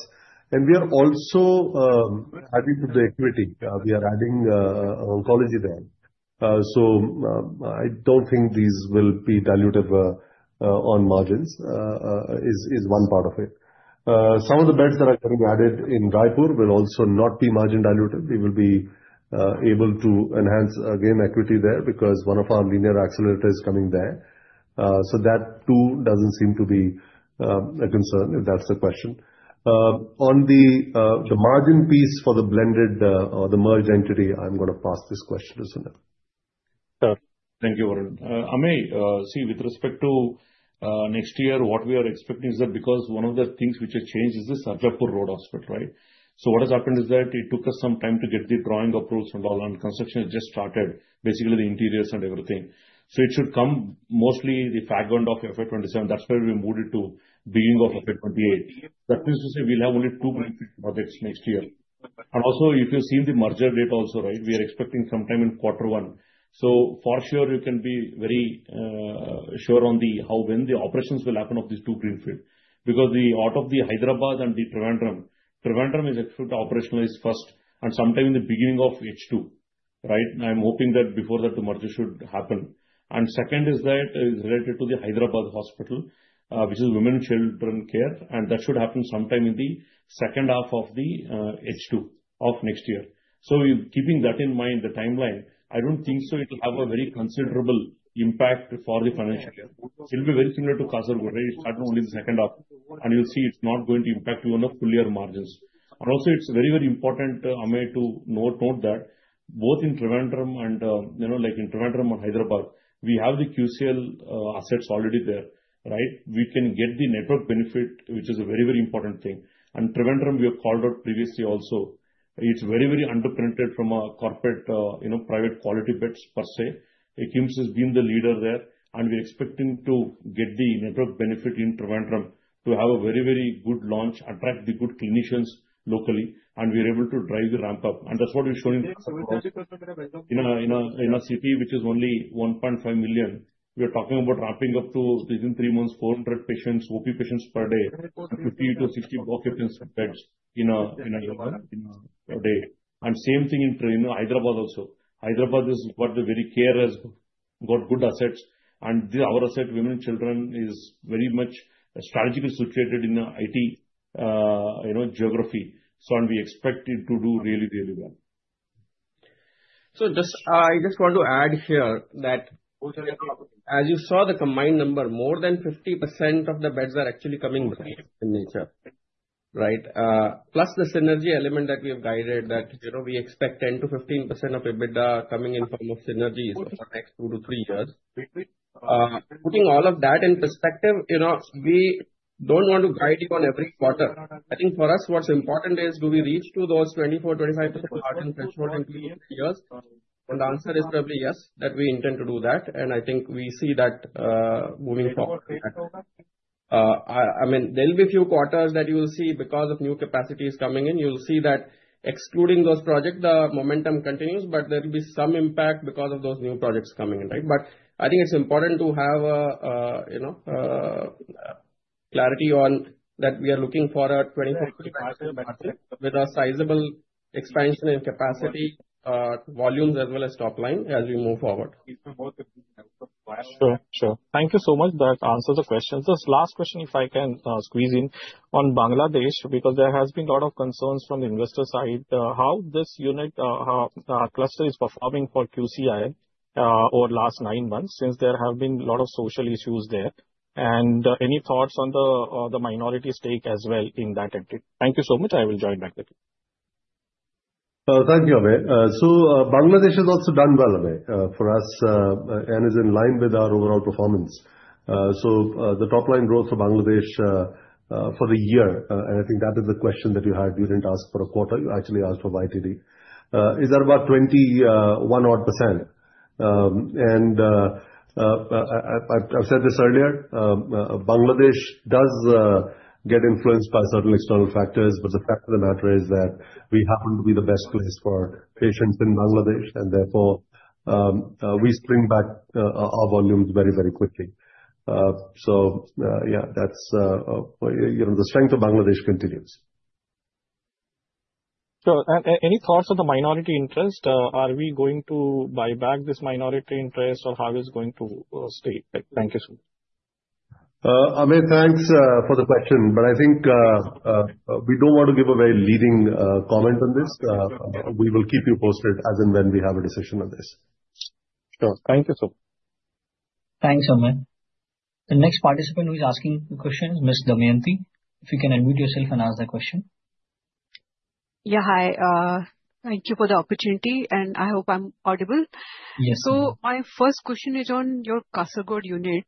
And we are also adding to the equity. We are adding oncology there. So I don't think these will be dilutive on margins, is one part of it. Some of the beds that are getting added in Raipur will also not be margin dilutive. We will be able to enhance, again, equity there, because one of our linear accelerators is coming there. So that too doesn't seem to be a concern, if that's the question. On the margin piece for the blended or the merged entity, I'm gonna pass this question to Sunil.... Sir, thank you, Varun. Amey, see, with respect to next year, what we are expecting is that because one of the things which has changed is this Nagpur road hospital, right? So what has happened is that it took us some time to get the drawing approvals from the land. Construction has just started, basically the interiors and everything. So it should come mostly in the background of FY 2027. That's why we moved it to beginning of FY 2028. That means to say we'll have only two greenfield projects next year. And also, you can see in the merger date also, right? We are expecting sometime in quarter one. So for sure, you can be very sure on the how when the operations will happen of these two greenfield. Because the out of the Hyderabad and the Trivandrum, Trivandrum is expected to operationalize first and sometime in the beginning of H2, right? And I'm hoping that before that, the merger should happen. And second is that related to the Hyderabad hospital, which is women and children care, and that should happen sometime in the second half of the H2 of next year. So in keeping that in mind, the timeline, I don't think so it will have a very considerable impact for the financial year. It will be very similar to Kasaragod, right? It started only in the second half, and you'll see it's not going to impact even our full year margins. And also, it's very, very important, Amey, to note, note that both in Trivandrum and, you know, like in Trivandrum and Hyderabad, we have the QCL assets already there, right? We can get the network benefit, which is a very, very important thing. Trivandrum, we have called out previously also, it's very, very underpenetrated from a corporate, you know, private quality beds per se. KIMS has been the leader there, and we're expecting to get the network benefit in Trivandrum to have a very, very good launch, attract the good clinicians locally, and we're able to drive the ramp up. That's what we've shown in a city which is only 1.5 million. We are talking about ramping up to, within three months, 400 patients, OP patients per day, and 50-60 occupied beds in a day. Same thing in Trivandrum, you know, Hyderabad also. Hyderabad is what Quality Care has got good assets, and our asset, Women and Children, is very much strategically situated in the IT, you know, geography, so and we expect it to do really, really well. So just, I just want to add here that as you saw the combined number, more than 50% of the beds are actually coming in nature, right? Plus the synergy element that we have guided, that, you know, we expect 10%-15% of EBITDA coming in form of synergies for the next two or three years. Putting all of that in perspective, you know, we don't want to guide you on every quarter. I think for us, what's important is, do we reach to those 24%-25% margin threshold in three years? And the answer is probably yes, that we intend to do that, and I think we see that, moving forward. I mean, there will be a few quarters that you will see because of new capacities coming in. You will see that excluding those projects, the momentum continues, but there will be some impact because of those new projects coming in, right? But I think it's important to have a, you know, clarity on that we are looking for a 24% with a sizable expansion in capacity, volumes as well as top line as we move forward. Sure, sure. Thank you so much. That answers the question. Just last question, if I can, squeeze in on Bangladesh, because there has been a lot of concerns from the investor side. How this unit, cluster is performing for QCI, over last nine months, since there have been a lot of social issues there. And any thoughts on the, the minority stake as well in that country? Thank you so much. I will join back with you. Thank you, Amey. So, Bangladesh has also done well, Amey, for us, and is in line with our overall performance. So, the top line growth for Bangladesh, for the year, and I think that is the question that you had. You didn't ask for a quarter, you actually asked for YTD, is about 21%. And, I, I've said this earlier, Bangladesh does get influenced by certain external factors, but the fact of the matter is that we happen to be the best choice for patients in Bangladesh, and therefore, we spring back our volumes very, very quickly. So, yeah, that's, you know, the strength of Bangladesh continues. Any thoughts on the minority interest? Are we going to buy back this minority interest, or how it's going to stay? Thank you, sir. Amey, thanks for the question, but I think we don't want to give a very leading comment on this. We will keep you posted as and when we have a decision on this. Sure. Thank you, sir. Thanks, Amey. The next participant who is asking the question, Miss Dameyanti. If you can unmute yourself and ask the question. Yeah, hi. Thank you for the opportunity, and I hope I'm audible. Yes. My first question is on your Kasaragod unit,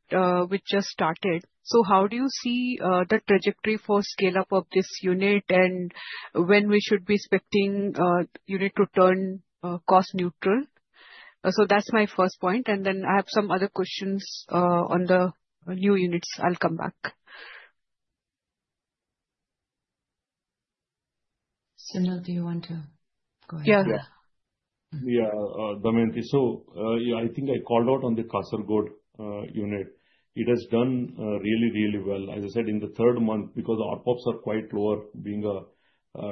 which just started. How do you see the trajectory for scale-up of this unit, and when we should be expecting unit to turn cost neutral? That's my first point, and then I have some other questions on the new units. I'll come back. Sunil, do you want to go ahead? Yeah. Yeah, Dameyanti. So, yeah, I think I called out on the Kasaragod unit. It has done really, really well. As I said, in the third month, because ARPOBs are quite lower, being a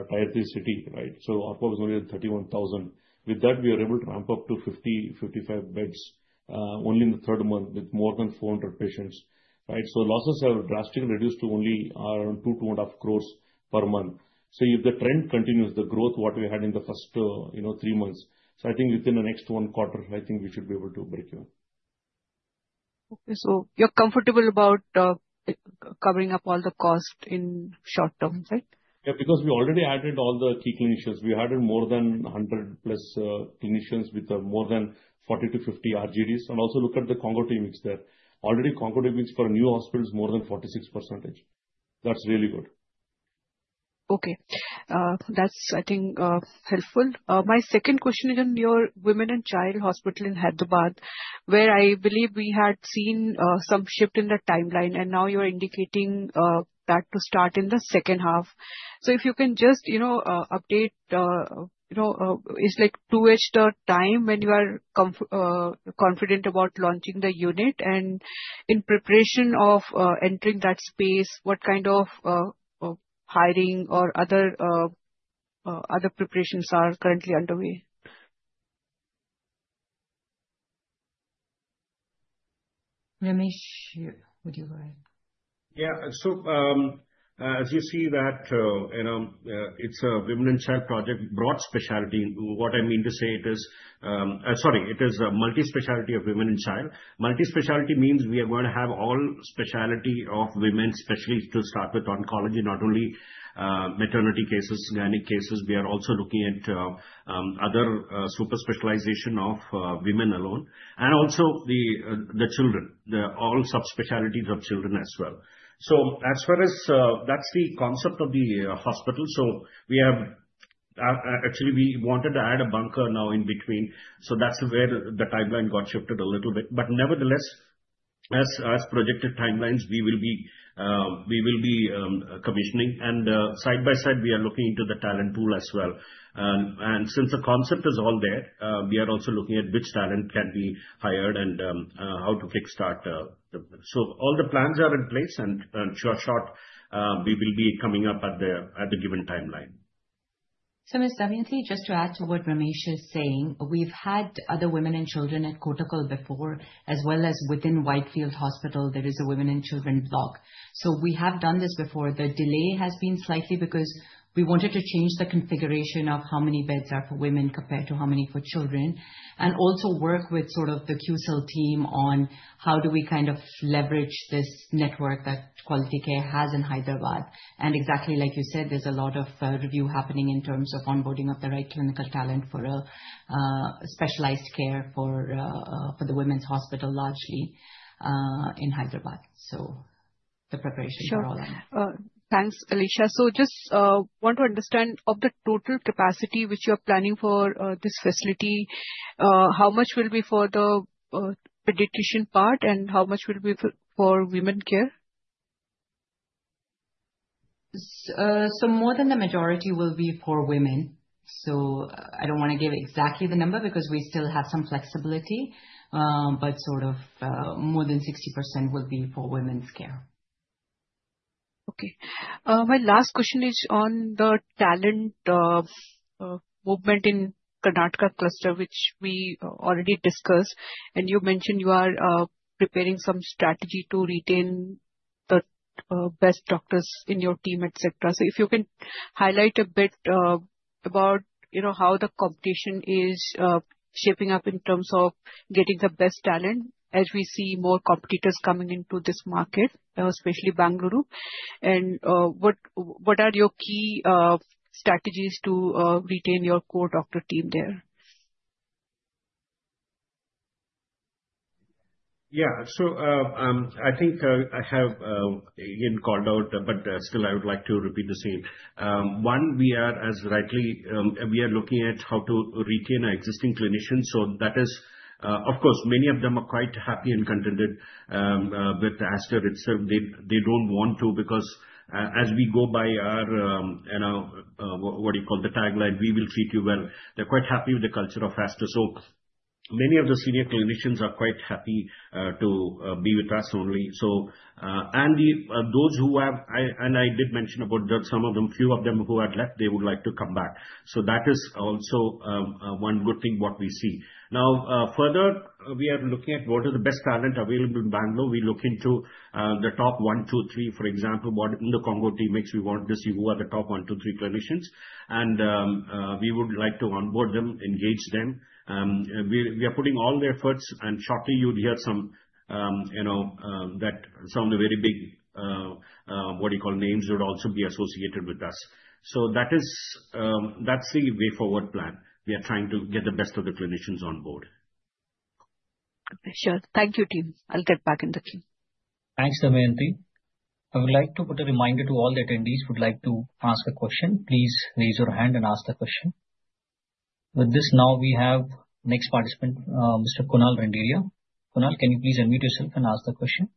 Tier 3 city, right? So our pop is only 31,000. With that, we are able to ramp up to 50-55 beds only in the third month with more than 400 patients, right? So losses have drastically reduced to only around 2 to and up crores per month. So if the trend continues, the growth what we had in the first, you know, three months, so I think within the next one quarter, I think we should be able to break even.... Okay, so you're comfortable about covering up all the cost in short term, right? Yeah, because we already added all the key clinicians. We added more than 100+ clinicians with more than 40-50 RGDs. Also look at the Congo Team, which they're already Congo Teams for new hospitals more than 46%. That's really good. Okay. That's, I think, helpful. My second question is on your women and child hospital in Hyderabad, where I believe we had seen some shift in the timeline, and now you're indicating that to start in the second half. So if you can just, you know, update, you know, it's like, to which the time when you are confident about launching the unit. And in preparation of entering that space, what kind of other preparations are currently underway? Ramesh, would you like? Yeah. So, as you see that, you know, it's a women and child project, broad specialty. What I mean to say it is, sorry, it is a multi-specialty of women and child. Multi-specialty means we are going to have all specialty of women specialist to start with oncology, not only maternity cases, gynae cases. We are also looking at other super specialization of women alone, and also the children, the all subspecialties of children as well. So as far as that's the concept of the hospital. So we have actually, we wanted to add a bunker now in between, so that's where the timeline got shifted a little bit. Nevertheless, as projected timelines, we will be commissioning, and side by side, we are looking into the talent pool as well. And since the concept is all there, we are also looking at which talent can be hired and how to kickstart the... So all the plans are in place, and in short, we will be coming up at the given timeline. So, Ms. Dameyanti, just to add to what Ramesh is saying. We've had other women and children at Kottakkal before, as well as within Whitefield Hospital, there is a women and children block. So we have done this before. The delay has been slightly because we wanted to change the configuration of how many beds are for women compared to how many for children, and also work with sort of the QCell team on how do we kind of leverage this network that Quality Care has in Hyderabad. And exactly like you said, there's a lot of review happening in terms of onboarding of the right clinical talent for a specialized care for the women's hospital, largely in Hyderabad. So the preparation for all that. Sure. Thanks, Alisha. So just want to understand, of the total capacity which you are planning for this facility, how much will be for the pediatrician part, and how much will be for women care? So more than the majority will be for women. So I don't want to give exactly the number, because we still have some flexibility, but sort of, more than 60% will be for women's care. Okay. My last question is on the talent movement in Karnataka cluster, which we already discussed. And you mentioned you are preparing some strategy to retain the best doctors in your team, et cetera. So if you can highlight a bit about, you know, how the competition is shaping up in terms of getting the best talent, as we see more competitors coming into this market, especially Bengaluru. And what are your key strategies to retain your core doctor team there? Yeah. So, I think, I have, again, called out, but, still, I would like to repeat the same. One, we are as rightly, we are looking at how to retain our existing clinicians, so that is... Of course, many of them are quite happy and contented, with Aster itself. They, they don't want to, because as we go by our, you know, what you call the tagline, "We will treat you well," they're quite happy with the culture of Aster. So many of the senior clinicians are quite happy, to, be with us only. So, and the, those who have... I, and I did mention about some of them, few of them who have left, they would like to come back. So that is also one good thing, what we see. Now further we are looking at what are the best talent available in Bangalore. We look into the top one, two, three, for example, what in the combo T mix, we want to see who are the top one, two, three clinicians. And we would like to onboard them, engage them. We, we are putting all the efforts, and shortly you'd hear some, you know, that some of the very big, what you call names, would also be associated with us. So that is, that's the way forward plan. We are trying to get the best of the clinicians on board. Sure. Thank you, team. I'll get back in the queue. Thanks, Dameyanti. I would like to put a reminder to all the attendees who would like to ask a question, please raise your hand and ask the question. With this, now we have next participant, Mr. Kunal Randeria. Kunal, can you please unmute yourself and ask the question?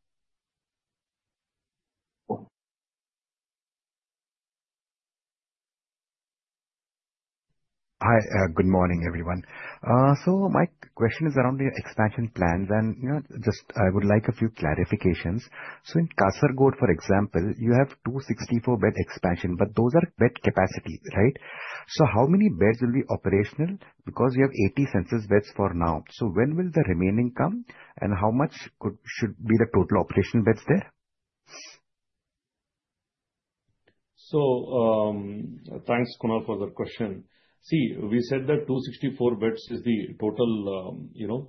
Hi, good morning, everyone. So my question is around the expansion plans, and, you know, just I would like a few clarifications. So in Kasaragod, for example, you have 264-bed expansion, but those are bed capacity, right? So how many beds will be operational? Because you have 80 census beds for now. So when will the remaining come, and how much could, should be the total operational beds there?... So, thanks, Kunal, for the question. See, we said that 264 beds is the total, you know,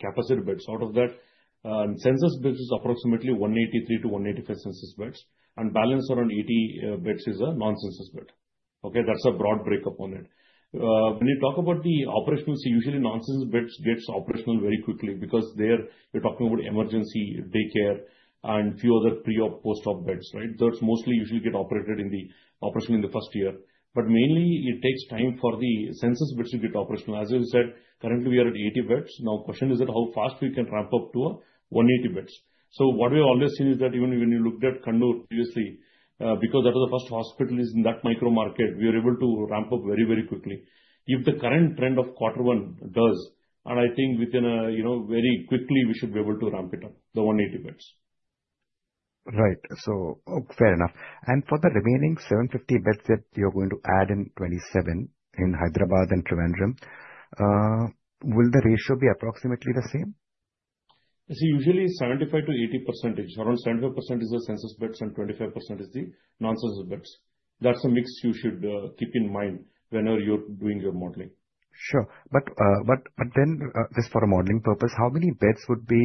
capacity beds. Out of that, census beds is approximately 183-185 census beds, and balance around 80 beds is a non-census bed. Okay, that's a broad breakup on it. When you talk about the operations, usually non-census beds gets operational very quickly because there we're talking about emergency, daycare and few other pre-op, post-op beds, right? Those mostly usually get operated in the, operational in the first year. But mainly it takes time for the census beds to get operational. As we said, currently we are at 80 beds. Now, question is that how fast we can ramp up to 180 beds. So what we have always seen is that even when you looked at Kannur previously, because that was the first hospital in that micro market, we were able to ramp up very, very quickly. If the current trend of Quarter One does, and I think within, you know, very quickly, we should be able to ramp it up, the 180 beds. Right. So, fair enough. And for the remaining 750 beds that you're going to add in 2027 in Hyderabad and Trivandrum, will the ratio be approximately the same? See, usually 75%-80%. Around 75% is the census beds and 25% is the non-census beds. That's a mix you should keep in mind whenever you're doing your modeling. Sure. But then, just for a modeling purpose, how many beds would be,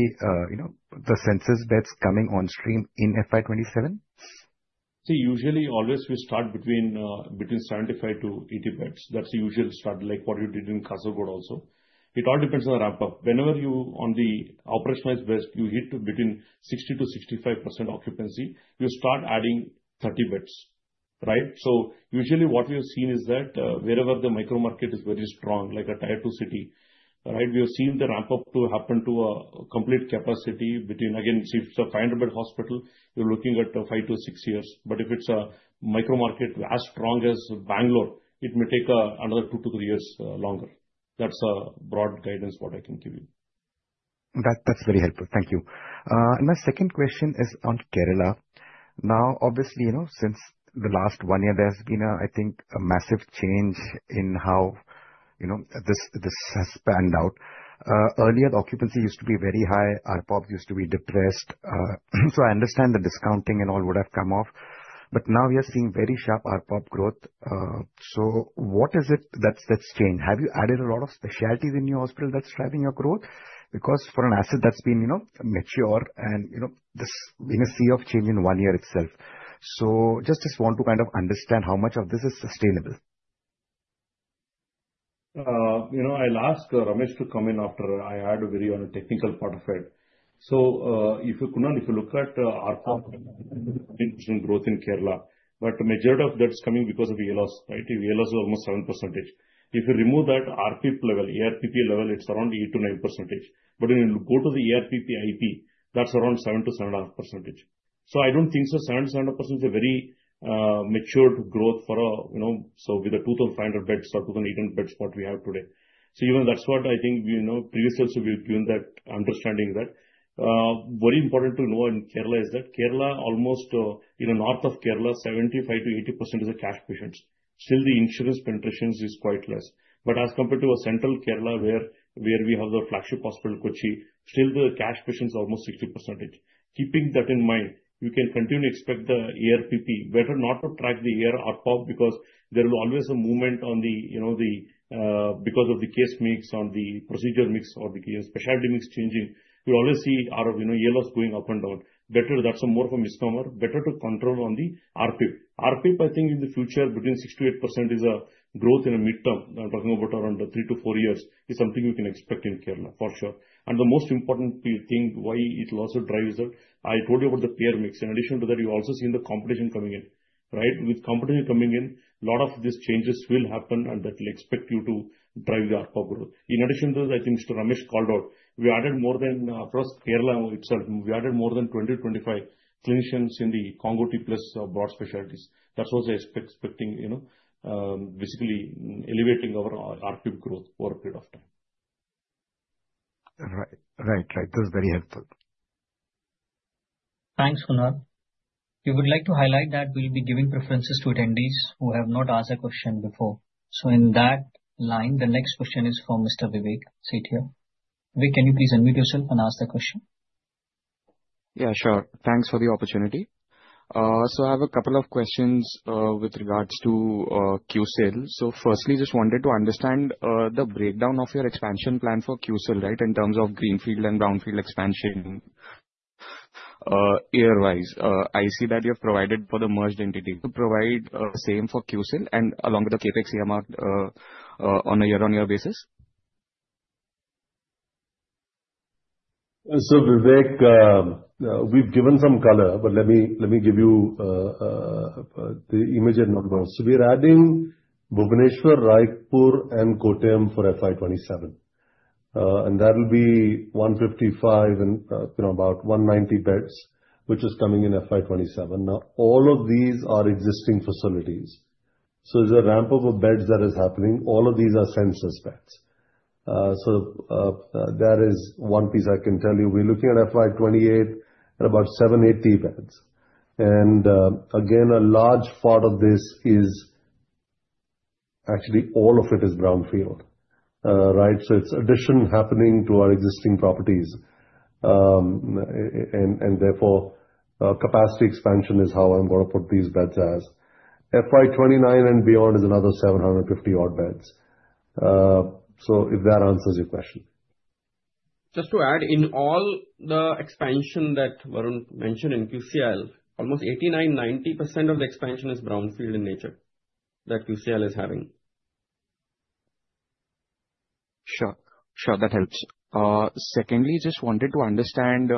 you know, the census beds coming on stream in FY27? See, usually, always we start between 75-80 beds. That's the usual start, like what we did in Kasaragod also. It all depends on the ramp-up. Whenever you on the operationalized beds, you hit to between 60%-65% occupancy, you start adding 30 beds, right? So usually, what we have seen is that, wherever the micro market is very strong, like a Tier 2 city, right, we have seen the ramp-up to happen to a complete capacity between, again, if it's a 500-bed hospital, you're looking at five to six years. But if it's a micro market as strong as Bangalore, it may take another two to three years longer. That's a broad guidance what I can give you. That, that's very helpful. Thank you. My second question is on Kerala. Now, obviously, you know, since the last one year, there's been a, I think, a massive change in how, you know, this, this has panned out. Earlier, the occupancy used to be very high, ARPOP used to be depressed. So I understand the discounting and all would have come off, but now we are seeing very sharp ARPOP growth. So what is it that's, that's changed? Have you added a lot of specialties in your hospital that's driving your growth? Because for an asset that's been, you know, mature and, you know, this, in a sea of change in one year itself. So just, just want to kind of understand how much of this is sustainable. You know, I'll ask Ramesh to come in after I add a bit on a technical part of it. So, if you, Kunal, if you look at ARPOP growth in Kerala, but majority of that is coming because of the ALOS, right? The ALOS is almost 7%. If you remove that ARPP level, ARPP level, it's around 8%-9%. But when you go to the ARPP IP, that's around 7%-7.5%. So I don't think so, 7%-7.5% is a very, matured growth for a, you know, so with the 2,500 beds or 2,800 beds, what we have today. So even that's what I think we know previously also we've given that understanding that. Very important to know in Kerala is that Kerala almost, in the north of Kerala, 75%-80% is the cash patients. Still, the insurance penetration is quite less. But as compared to a central Kerala, where, where we have the flagship hospital, Kochi, still the cash patients are almost 60%. Keeping that in mind, you can continue to expect the ARPP. Better not to track the year ARPOP, because there will always a movement on the, you know, the, because of the case mix or the procedure mix or the specialty mix changing. You'll always see our, you know, ALOS going up and down. Better, that's more of a misnomer. Better to control on the ARPP. ARPP, I think, in the future, between 6%-8% is a growth in a midterm. I'm talking about around 3-4 years, is something you can expect in Kerala for sure. And the most important thing, why it will also drive is that I told you about the payer mix. In addition to that, you've also seen the competition coming in, right? With competition coming in, a lot of these changes will happen, and that will expect you to drive the ARPOP growth. In addition to that, I think Mr. Ramesh called out, we added more than, across Kerala itself, we added more than 20-25 clinicians in the Congoti Plus, broad specialties. That's what I expecting, you know, basically elevating our ARPP growth over a period of time. Right. Right, right. That's very helpful. Thanks, Kunal. We would like to highlight that we'll be giving preferences to attendees who have not asked a question before. So in that line, the next question is from Mr. Vivek Sethia. Vivek, can you please unmute yourself and ask the question? Yeah, sure. Thanks for the opportunity. So I have a couple of questions, with regards to, QCIL. So firstly, just wanted to understand, the breakdown of your expansion plan for QCIL, right, in terms of greenfield and brownfield expansion, year-wise. I see that you have provided for the merged entity. To provide, same for QCIL and along with the CapEx year mark, on a year-on-year basis? So, Vivek, we've given some color, but let me give you the image and numbers. So we're adding Bhubaneswar, Raipur, and Kottayam for FY 2027. And that will be 155 and, you know, about 190 beds, which is coming in FY 2027. Now, all of these are existing facilities, so it's a ramp-up of beds that is happening. All of these are census beds. So that is one piece I can tell you. We're looking at FY 2028 at about 70-80 beds. And again, a large part of this is-... Actually, all of it is brownfield, right? So it's addition happening to our existing properties. And therefore, capacity expansion is how I'm gonna put these beds as. FY 2029 and beyond is another 750-odd beds. So if that answers your question. Just to add, in all the expansion that Varun mentioned in QCL, almost 89%-90% of the expansion is brownfield in nature, that QCL is having. Sure, sure, that helps. Secondly, just wanted to understand,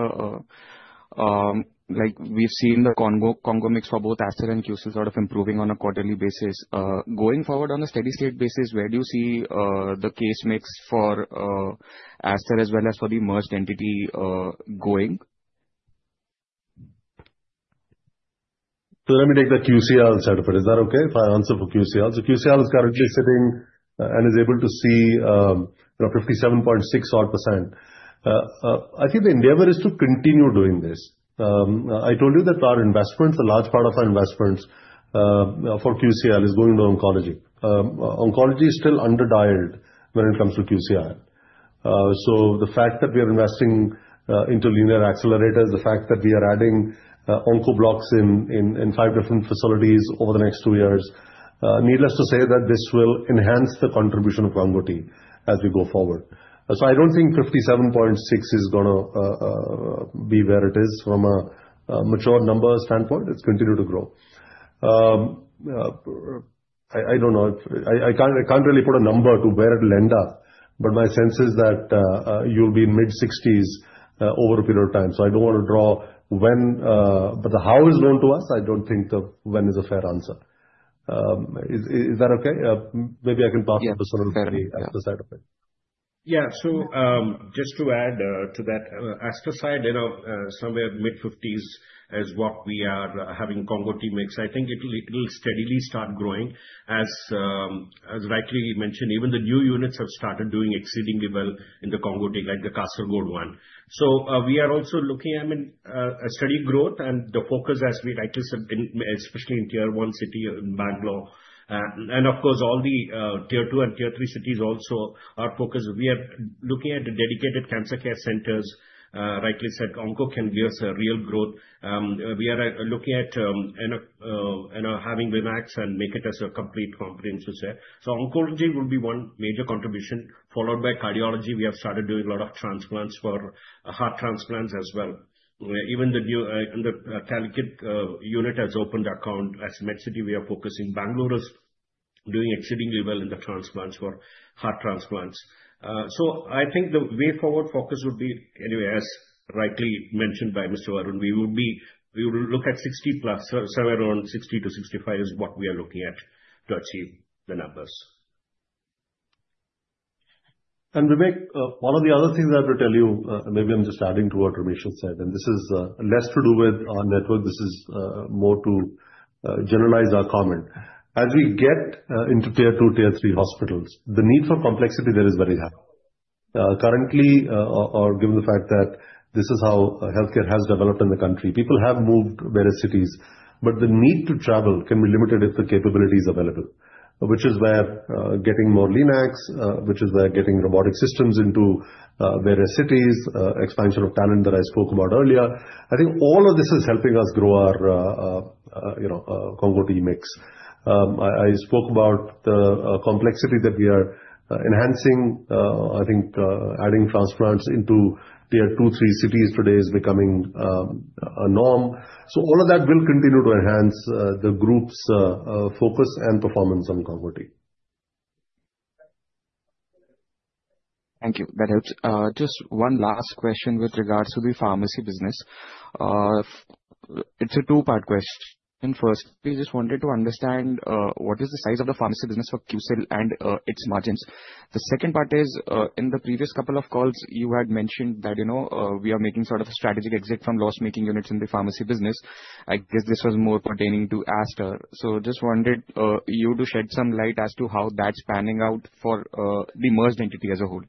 like we've seen the combo, combo mix for both Aster and QCL sort of improving on a quarterly basis. Going forward on a steady state basis, where do you see the case mix for Aster as well as for the merged entity going? So let me take the QCL side of it. Is that okay, if I answer for QCL? So QCL is currently sitting, and is able to see, you know, 57.6 odd percent. I think the endeavor is to continue doing this. I told you that our investments, a large part of our investments, for QCL, is going to oncology. Oncology is still under-dialed when it comes to QCL. So the fact that we are investing into linear accelerators, the fact that we are adding onco blocks in five different facilities over the next two years, needless to say, that this will enhance the contribution of Congo-T as we go forward. So I don't think 57.6 is gonna be where it is from a mature number standpoint. It's continued to grow. I don't know, I can't really put a number to where it'll end up, but my sense is that you'll be in mid-sixties over a period of time. So I don't want to draw when. But the how is known to us, I don't think the when is a fair answer. Is that okay? Maybe I can pass on- Yeah. To Sunil for the Aster side of it. Yeah. So, just to add, to that, Aster side, you know, somewhere mid-fifties is what we are having Congo-T mix. I think it'll steadily start growing. As, as rightly mentioned, even the new units have started doing exceedingly well in the Congo-T, like the Kasaragod I. So, we are also looking at, I mean, a steady growth and the focus as we rightly said, in especially in Tier 1 city of Bangalore. And of course, all the Tier 2 and Tier 3 cities also are focused. We are looking at the dedicated cancer care centers. Rightly said, onco can give us a real growth. We are looking at, you know, having Linacs and make it as a complete comprehensive set. So oncology will be one major contribution, followed by cardiology. We have started doing a lot of transplants for heart transplants as well. Even the new unit in Calicut has opened account. As Medcity, we are focusing. Bangalore is doing exceedingly well in the transplants for heart transplants. So I think the way forward focus would be, anyway, as rightly mentioned by Mr. Varun, we will look at 60+, somewhere around 60-65 is what we are looking at to achieve the numbers. And Vivek, one of the other things I have to tell you, maybe I'm just adding to what Ramesh has said, and this is less to do with our network, this is more to generalize our comment. As we get into Tier 2, Tier 3 hospitals, the need for complexity there is very high. Currently, or given the fact that this is how healthcare has developed in the country, people have moved various cities, but the need to travel can be limited if the capability is available. Which is where getting more Linacs, which is where getting robotic systems into various cities, expansion of talent that I spoke about earlier. I think all of this is helping us grow our, you know, Congo-T mix. I spoke about the complexity that we are enhancing. I think adding transplants into Tier 2, 3 cities today is becoming a norm. So all of that will continue to enhance the group's focus and performance on Combo T. Thank you. That helps. Just one last question with regards to the pharmacy business. It's a two-part question. Firstly, just wanted to understand what is the size of the pharmacy business for QSL and its margins? The second part is, in the previous couple of calls, you had mentioned that, you know, we are making sort of a strategic exit from loss-making units in the pharmacy business. I guess this was more pertaining to Aster. So just wanted you to shed some light as to how that's panning out for the merged entity as a whole.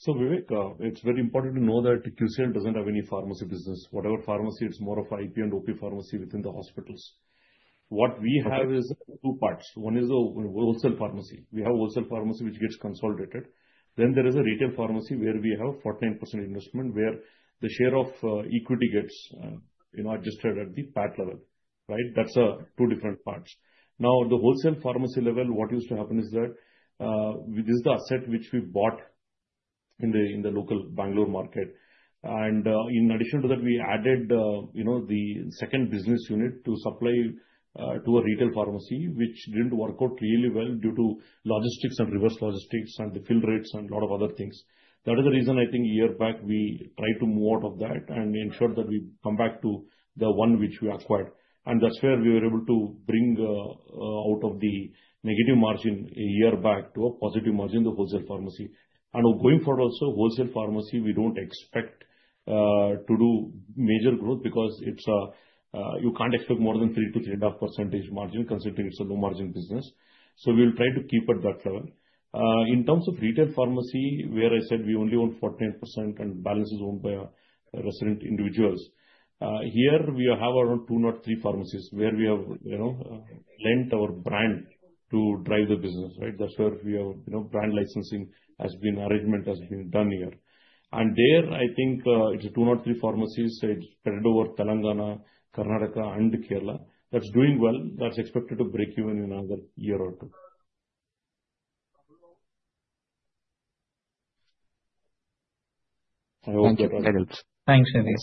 So, Vivek, it's very important to know that QCL doesn't have any pharmacy business. Whatever pharmacy, it's more of IP and OP pharmacy within the hospitals. What we have is two parts. One is the wholesale pharmacy. We have wholesale pharmacy, which gets consolidated. Then there is a retail pharmacy, where we have 49% investment, where the share of equity gets, you know, registered at the PAT level, right? That's two different parts. Now, at the wholesale pharmacy level, what used to happen is that this is the asset which we bought in the local Bangalore market. In addition to that, we added, you know, the second business unit to supply to a retail pharmacy, which didn't work out really well due to logistics and reverse logistics and the fill rates and a lot of other things. That is the reason I think a year back we tried to move out of that and ensure that we come back to the one which we acquired. And that's where we were able to bring out of the negative margin a year back to a positive margin in the wholesale pharmacy. And going forward also, wholesale pharmacy, we don't expect to do major growth, because it's you can't expect more than 3%-3.5% margin, considering it's a low-margin business. So we'll try to keep at that level.... In terms of retail pharmacy, where I said we only own 48% and balance is owned by resident individuals. Here we have around two, not three pharmacies, where we have, you know, lent our brand to drive the business, right? That's where we have, you know, brand licensing has been, arrangement has been done here. And there, I think, it's two, not three pharmacies. It's spread over Telangana, Karnataka and Kerala. That's doing well. That's expected to break even in another year or two. I hope that helps. Thanks, Naveen.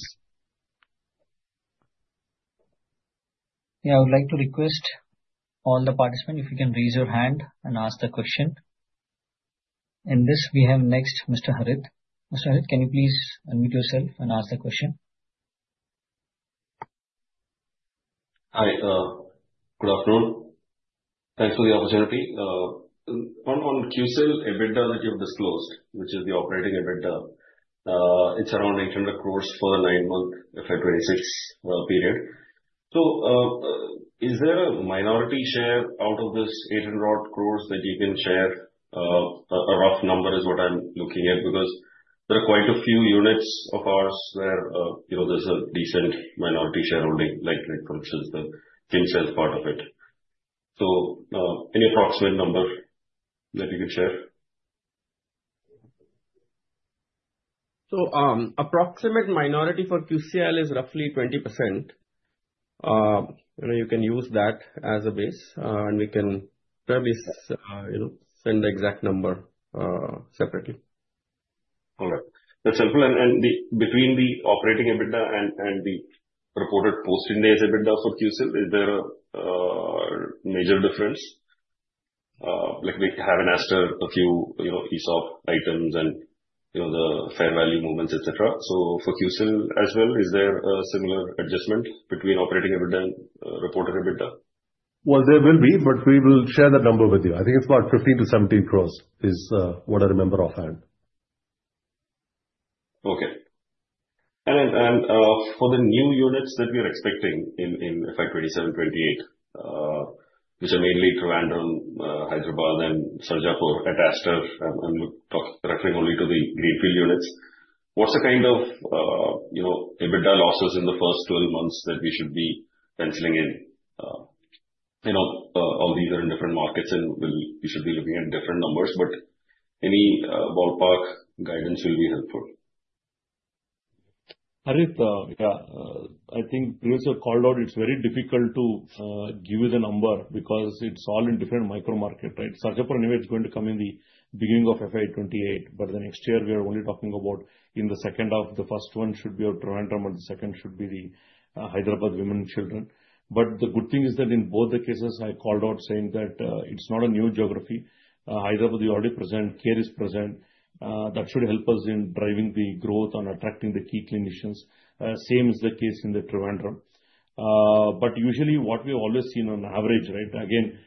Yeah, I would like to request all the participants if you can raise your hand and ask the question. And this we have next, Mr. Harit. Mr. Harit, can you please unmute yourself and ask the question? Hi, good afternoon. Thanks for the opportunity. One on QCL EBITDA that you have disclosed, which is the operating EBITDA. It's around 800 crore for the nine-month, February 6, period. So, is there a minority share out of this 800 crore that you can share? A rough number is what I'm looking at, because there are quite a few units of ours where, you know, there's a decent minority shareholding, like approaches the QCL part of it. So, any approximate number that you can share? So, approximate minority for QCL is roughly 20%. You know, you can use that as a base, and we can perhaps, you know, send the exact number, separately. All right. That's helpful. Between the operating EBITDA and the reported posted EBITDA for QCL, is there a major difference? Like we have in Aster a few, you know, ESOP items and, you know, the fair value movements, et cetera. So for QCL as well, is there a similar adjustment between operating EBITDA and reported EBITDA? Well, there will be, but we will share that number with you. I think it's about 15-17 crores is, what I remember offhand. Okay. And for the new units that we are expecting in FY 2027, 2028, which are mainly Trivandrum, Hyderabad, and Sarjapur at Aster, I'm referring only to the greenfield units. What's the kind of, you know, EBITDA losses in the first 12 months that we should be penciling in? I know all these are in different markets and we should be looking at different numbers, but any ballpark guidance will be helpful. Harit, yeah, I think as you called out, it's very difficult to give you the number because it's all in different micro market, right? Sarjapur anyway, is going to come in the beginning of FY 2028, but the next year we are only talking about in the second half. The first one should be of Trivandrum, and the second should be the Hyderabad Women and Children. But the good thing is that in both the cases, I called out saying that it's not a new geography. Hyderabad, we already present, CARE is present. That should help us in driving the growth on attracting the key clinicians. Same is the case in the Trivandrum. But usually what we have always seen on average, right, again,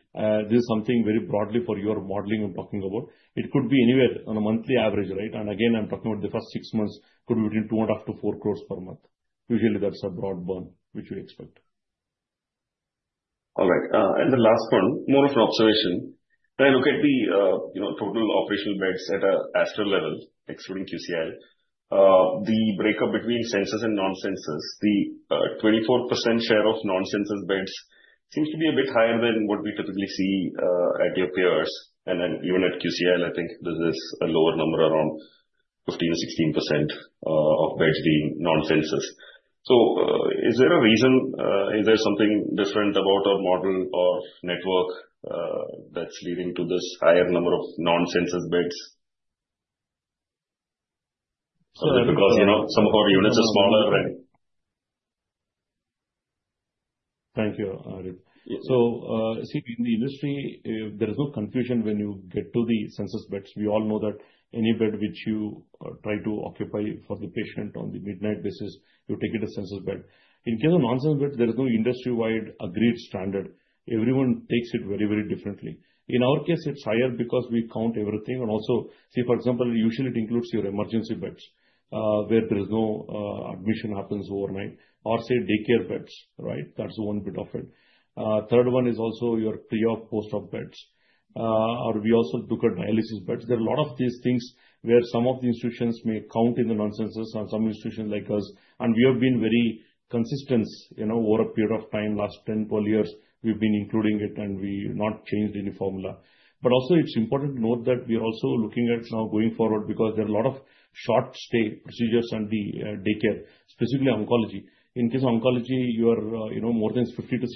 this is something very broadly for your modeling I'm talking about. It could be anywhere on a monthly average, right? And again, I'm talking about the first six months, could be between 2.5 crores-4 crores per month. Usually, that's a broad band which we expect. All right. And the last one, more of an observation. When I look at the, you know, total operational beds at a Aster level, excluding QCL, the breakup between census and non-census, the 24% share of non-census beds seems to be a bit higher than what we typically see at your peers. And then even at QCL, I think this is a lower number, around 15, 16%, of beds being non-census. So, is there a reason, is there something different about our model or network, that's leading to this higher number of non-census beds? So that because, you know, some of our units are smaller, right? Thank you, Harit. So, in the industry, there is no confusion when you get to the census beds. We all know that any bed which you try to occupy for the patient on the midnight basis, you take it a census bed. In case of non-census bed, there is no industry-wide agreed standard. Everyone takes it very, very differently. In our case, it's higher because we count everything. And also, for example, usually it includes your emergency beds, where there is no admission happens overnight, or say daycare beds, right? That's one bit of it. Third one is also your pre-op, post-op beds. Or we also look at dialysis beds. There are a lot of these things where some of the institutions may count in the non-census and some institutions like us, and we have been very consistent, you know, over a period of time, last 10, 12 years, we've been including it, and we've not changed any formula. But also it's important to note that we are also looking at some going forward, because there are a lot of short stay procedures and the, daycare, specifically oncology. In case of oncology, your, you know, more than 50%-60%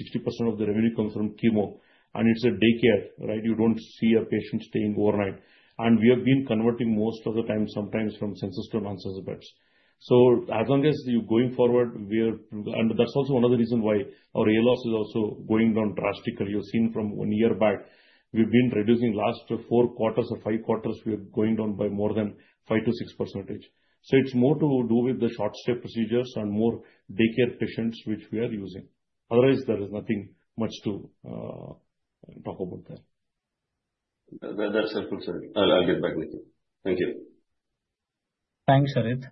of the revenue comes from chemo, and it's a daycare, right? You don't see a patient staying overnight. And we have been converting most of the time, sometimes from census to non-census beds. So as long as you're going forward, we are... And that's also one of the reasons why our ALOS is also going down drastically. You've seen from 1 year back, we've been reducing last four quarters or five quarters, we are going down by more than 5%-6%. So it's more to do with the short stay procedures and more daycare patients, which we are using. Otherwise, there is nothing much to talk about there. That's helpful, sir. I'll get back with you. Thank you.... Thanks, Harit.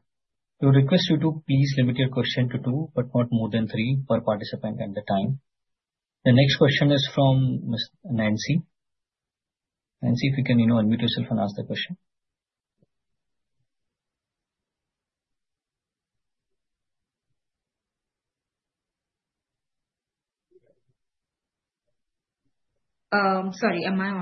We request you to please limit your question to two, but not more than three per participant at the time. The next question is from Miss Nancy. Nancy, if you can, you know, unmute yourself and ask the question. Sorry, am I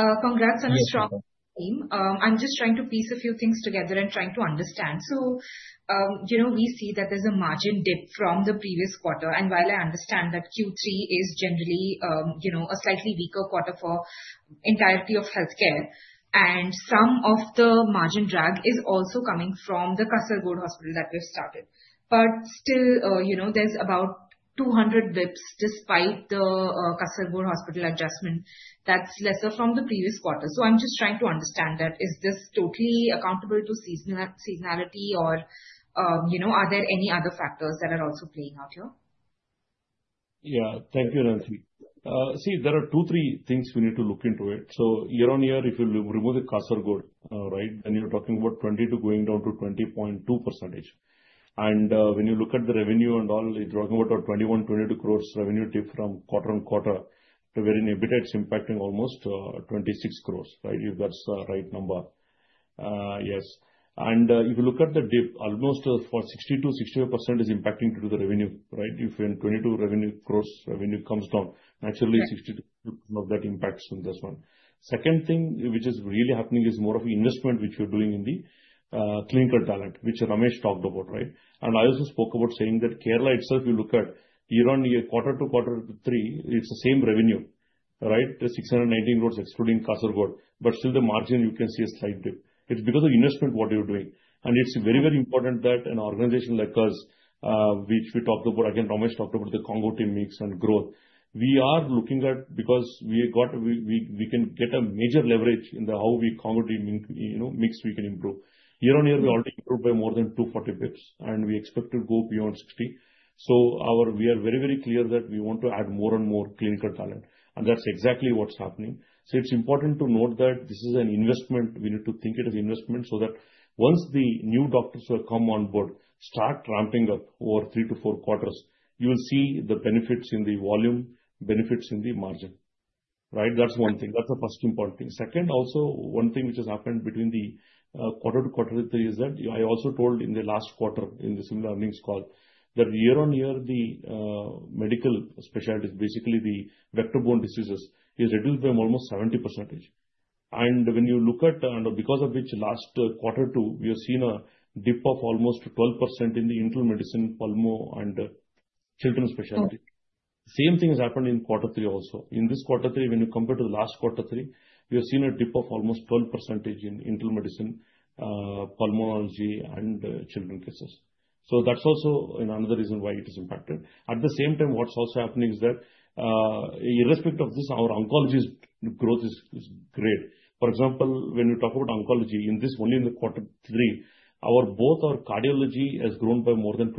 audible? Congrats on a strong team. I'm just trying to piece a few things together and trying to understand. So, you know, we see that there's a margin dip from the previous quarter. And while I understand that Q3 is generally, you know, a slightly weaker quarter for entirety of healthcare, and some of the margin drag is also coming from the Kasaragod hospital that you've started. But still, you know, there's about 200 basis points despite the, Kasaragod hospital adjustment that's lesser from the previous quarter. So I'm just trying to understand that. Is this totally accountable to seasonality, or, you know, are there any other factors that are also playing out here? Yeah. Thank you, Nancy. See, there are two, three things we need to look into it. So year-on-year, if you remove the Kasaragod, right, then you're talking about 22 going down to 20.2%. And, when you look at the revenue and all, you're talking about our 21-22 crore revenue dip from quarter-on-quarter, to where in EBITDA, it's impacting almost 26 crore, right? If that's the right number. Yes. And, if you look at the dip, almost, for 62%-65% is impacting to the revenue, right? If in 22 revenue, gross revenue comes down, naturally, 62 of that impacts on this one. Second thing which is really happening is more of investment which we're doing in the clinical talent, which Ramesh talked about, right? I also spoke about saying that Kerala itself, you look at year-on-year, quarter-over-quarter Q3, it's the same revenue, right? The 619 crore excluding Kasaragod, but still the margin you can see a slight dip. It's because of investment, what you're doing. It's very, very important that an organization like us, which we talked about, again, Ramesh talked about the Congo T mix and growth. We are looking at because we can get a major leverage in how we accommodate, you know, mix we can improve. Year-on-year, we already improved by more than 240 basis points, and we expect to go beyond 60 basis points. We are very, very clear that we want to add more and more clinical talent, and that's exactly what's happening. It's important to note that this is an investment. We need to think it as investment, so that once the new doctors come on board, start ramping up over 3-4 quarters, you will see the benefits in the volume, benefits in the margin, right? That's one thing. That's the first important thing. Second, also, one thing which has happened between quarter two to quarter three, is that I also told in the last quarter, in the similar earnings call, that year-on-year, the medical specialties, basically the vector-borne diseases, is reduced by almost 70%. And when you look at, and because of which last quarter two, we have seen a dip of almost 12% in the internal medicine, pulmo, and children's specialty. Same thing has happened in quarter three also. In this quarter three, when you compare to the last quarter three, we have seen a dip of almost 12% in internal medicine, pulmonology, and children cases. That's also another reason why it is impacted. At the same time, what's also happening is that, irrespective of this, our oncology growth is, is great. For example, when you talk about oncology, in this, only in the quarter three, our, both our cardiology has grown by more than 22%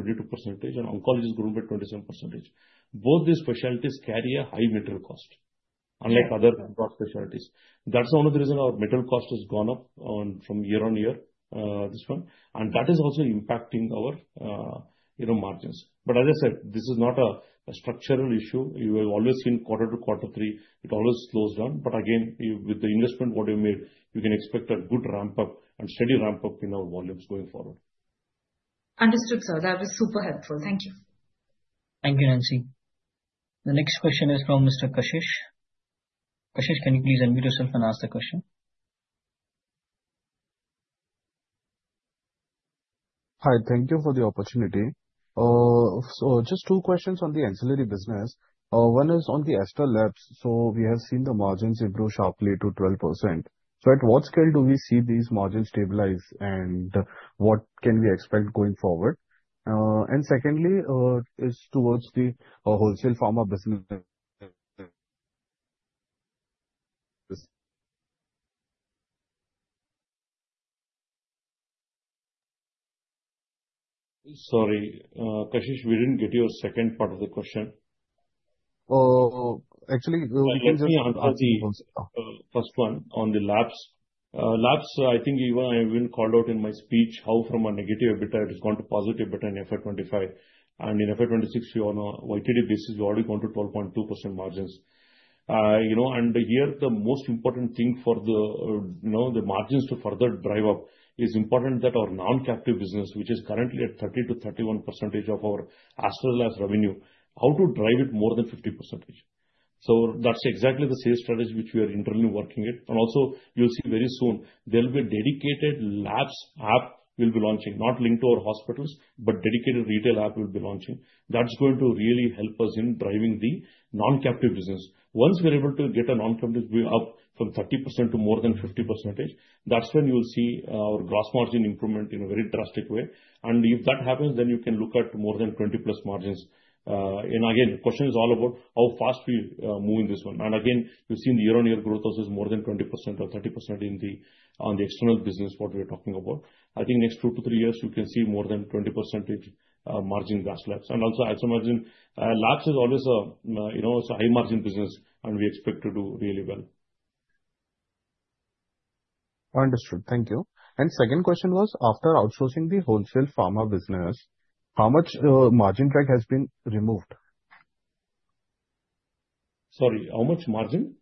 and oncology has grown by 27%. Both these specialties carry a high material cost- Yeah. - unlike other broad specialties. That's one of the reason our material cost has gone up on, from year on year, this one. And that is also impacting our, you know, margins. But as I said, this is not a structural issue. You have always seen quarter to quarter three, it always slows down. But again, with the investment what you made, you can expect a good ramp up and steady ramp up in our volumes going forward. Understood, sir. That was super helpful. Thank you. Thank you, Nancy. The next question is from Mr. Kashish. Kashish, can you please unmute yourself and ask the question? Hi. Thank you for the opportunity. So just two questions on the ancillary business. One is on the Aster Labs. So we have seen the margins improve sharply to 12%. So at what scale do we see these margins stabilize, and what can we expect going forward? And secondly, is towards the wholesale pharma business. Sorry, Kashish, we didn't get your second part of the question. Actually, Let me answer the first one on the labs. Labs, I think even I called out in my speech, how from a negative EBITDA, it has gone to positive EBITDA in FY 2025. And in FY 2026, year on a YTD basis, we've already gone to 12.2% margins. You know, and here, the most important thing for the margins to further drive up, is important that our non-captive business, which is currently at 30%-31% of our Aster Labs revenue, how to drive it more than 50%. So that's exactly the sales strategy which we are internally working it. And also, you'll see very soon there'll be a dedicated labs app we'll be launching, not linked to our hospitals, but dedicated retail app we'll be launching. That's going to really help us in driving the non-captive business. Once we're able to get a non-captive up from 30% to more than 50%, that's when you'll see our gross margin improvement in a very drastic way. And if that happens, then you can look at more than 20+ margins. And again, the question is all about how fast we move in this one. And again, we've seen the year-on-year growth also is more than 20% or 30% in the, on the external business, what we're talking about. I think next two to three years, you can see more than 20% margin in Aster Labs. And also as I imagine, labs is always a, you know, it's a high margin business, and we expect to do really well.... Understood. Thank you. Second question was: after outsourcing the wholesale pharma business, how much margin drag has been removed? Sorry, how much margin?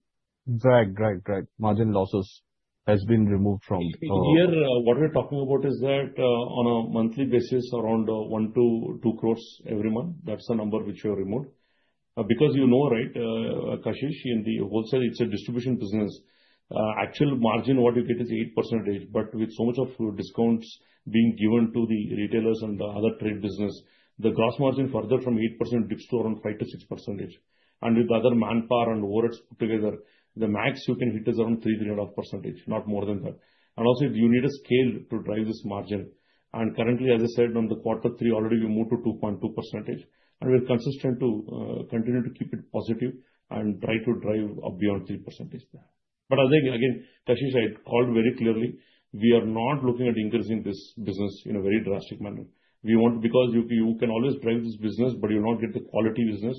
Drag, drag, drag. Margin losses has been removed from, Here, what we're talking about is that, on a monthly basis, around, 1-2 crore every month. That's the number which we have removed. Because you know, right, Kashish, in the wholesale, it's a distribution business. Actual margin, what you get is 8%, but with so much of discounts being given to the retailers and the other trade business, the gross margin further from 8% dips to around 5%-6%. With other manpower and overheads put together, the max you can hit is around 3%, not more than that. Also, you need a scale to drive this margin, and currently, as I said, on the quarter three, already we moved to 2.2%, and we're consistent to, continue to keep it positive and try to drive up beyond 3% there. But I think, again, Kashish, I called very clearly, we are not looking at increasing this business in a very drastic manner. We want, because you, you can always drive this business, but you will not get the quality business.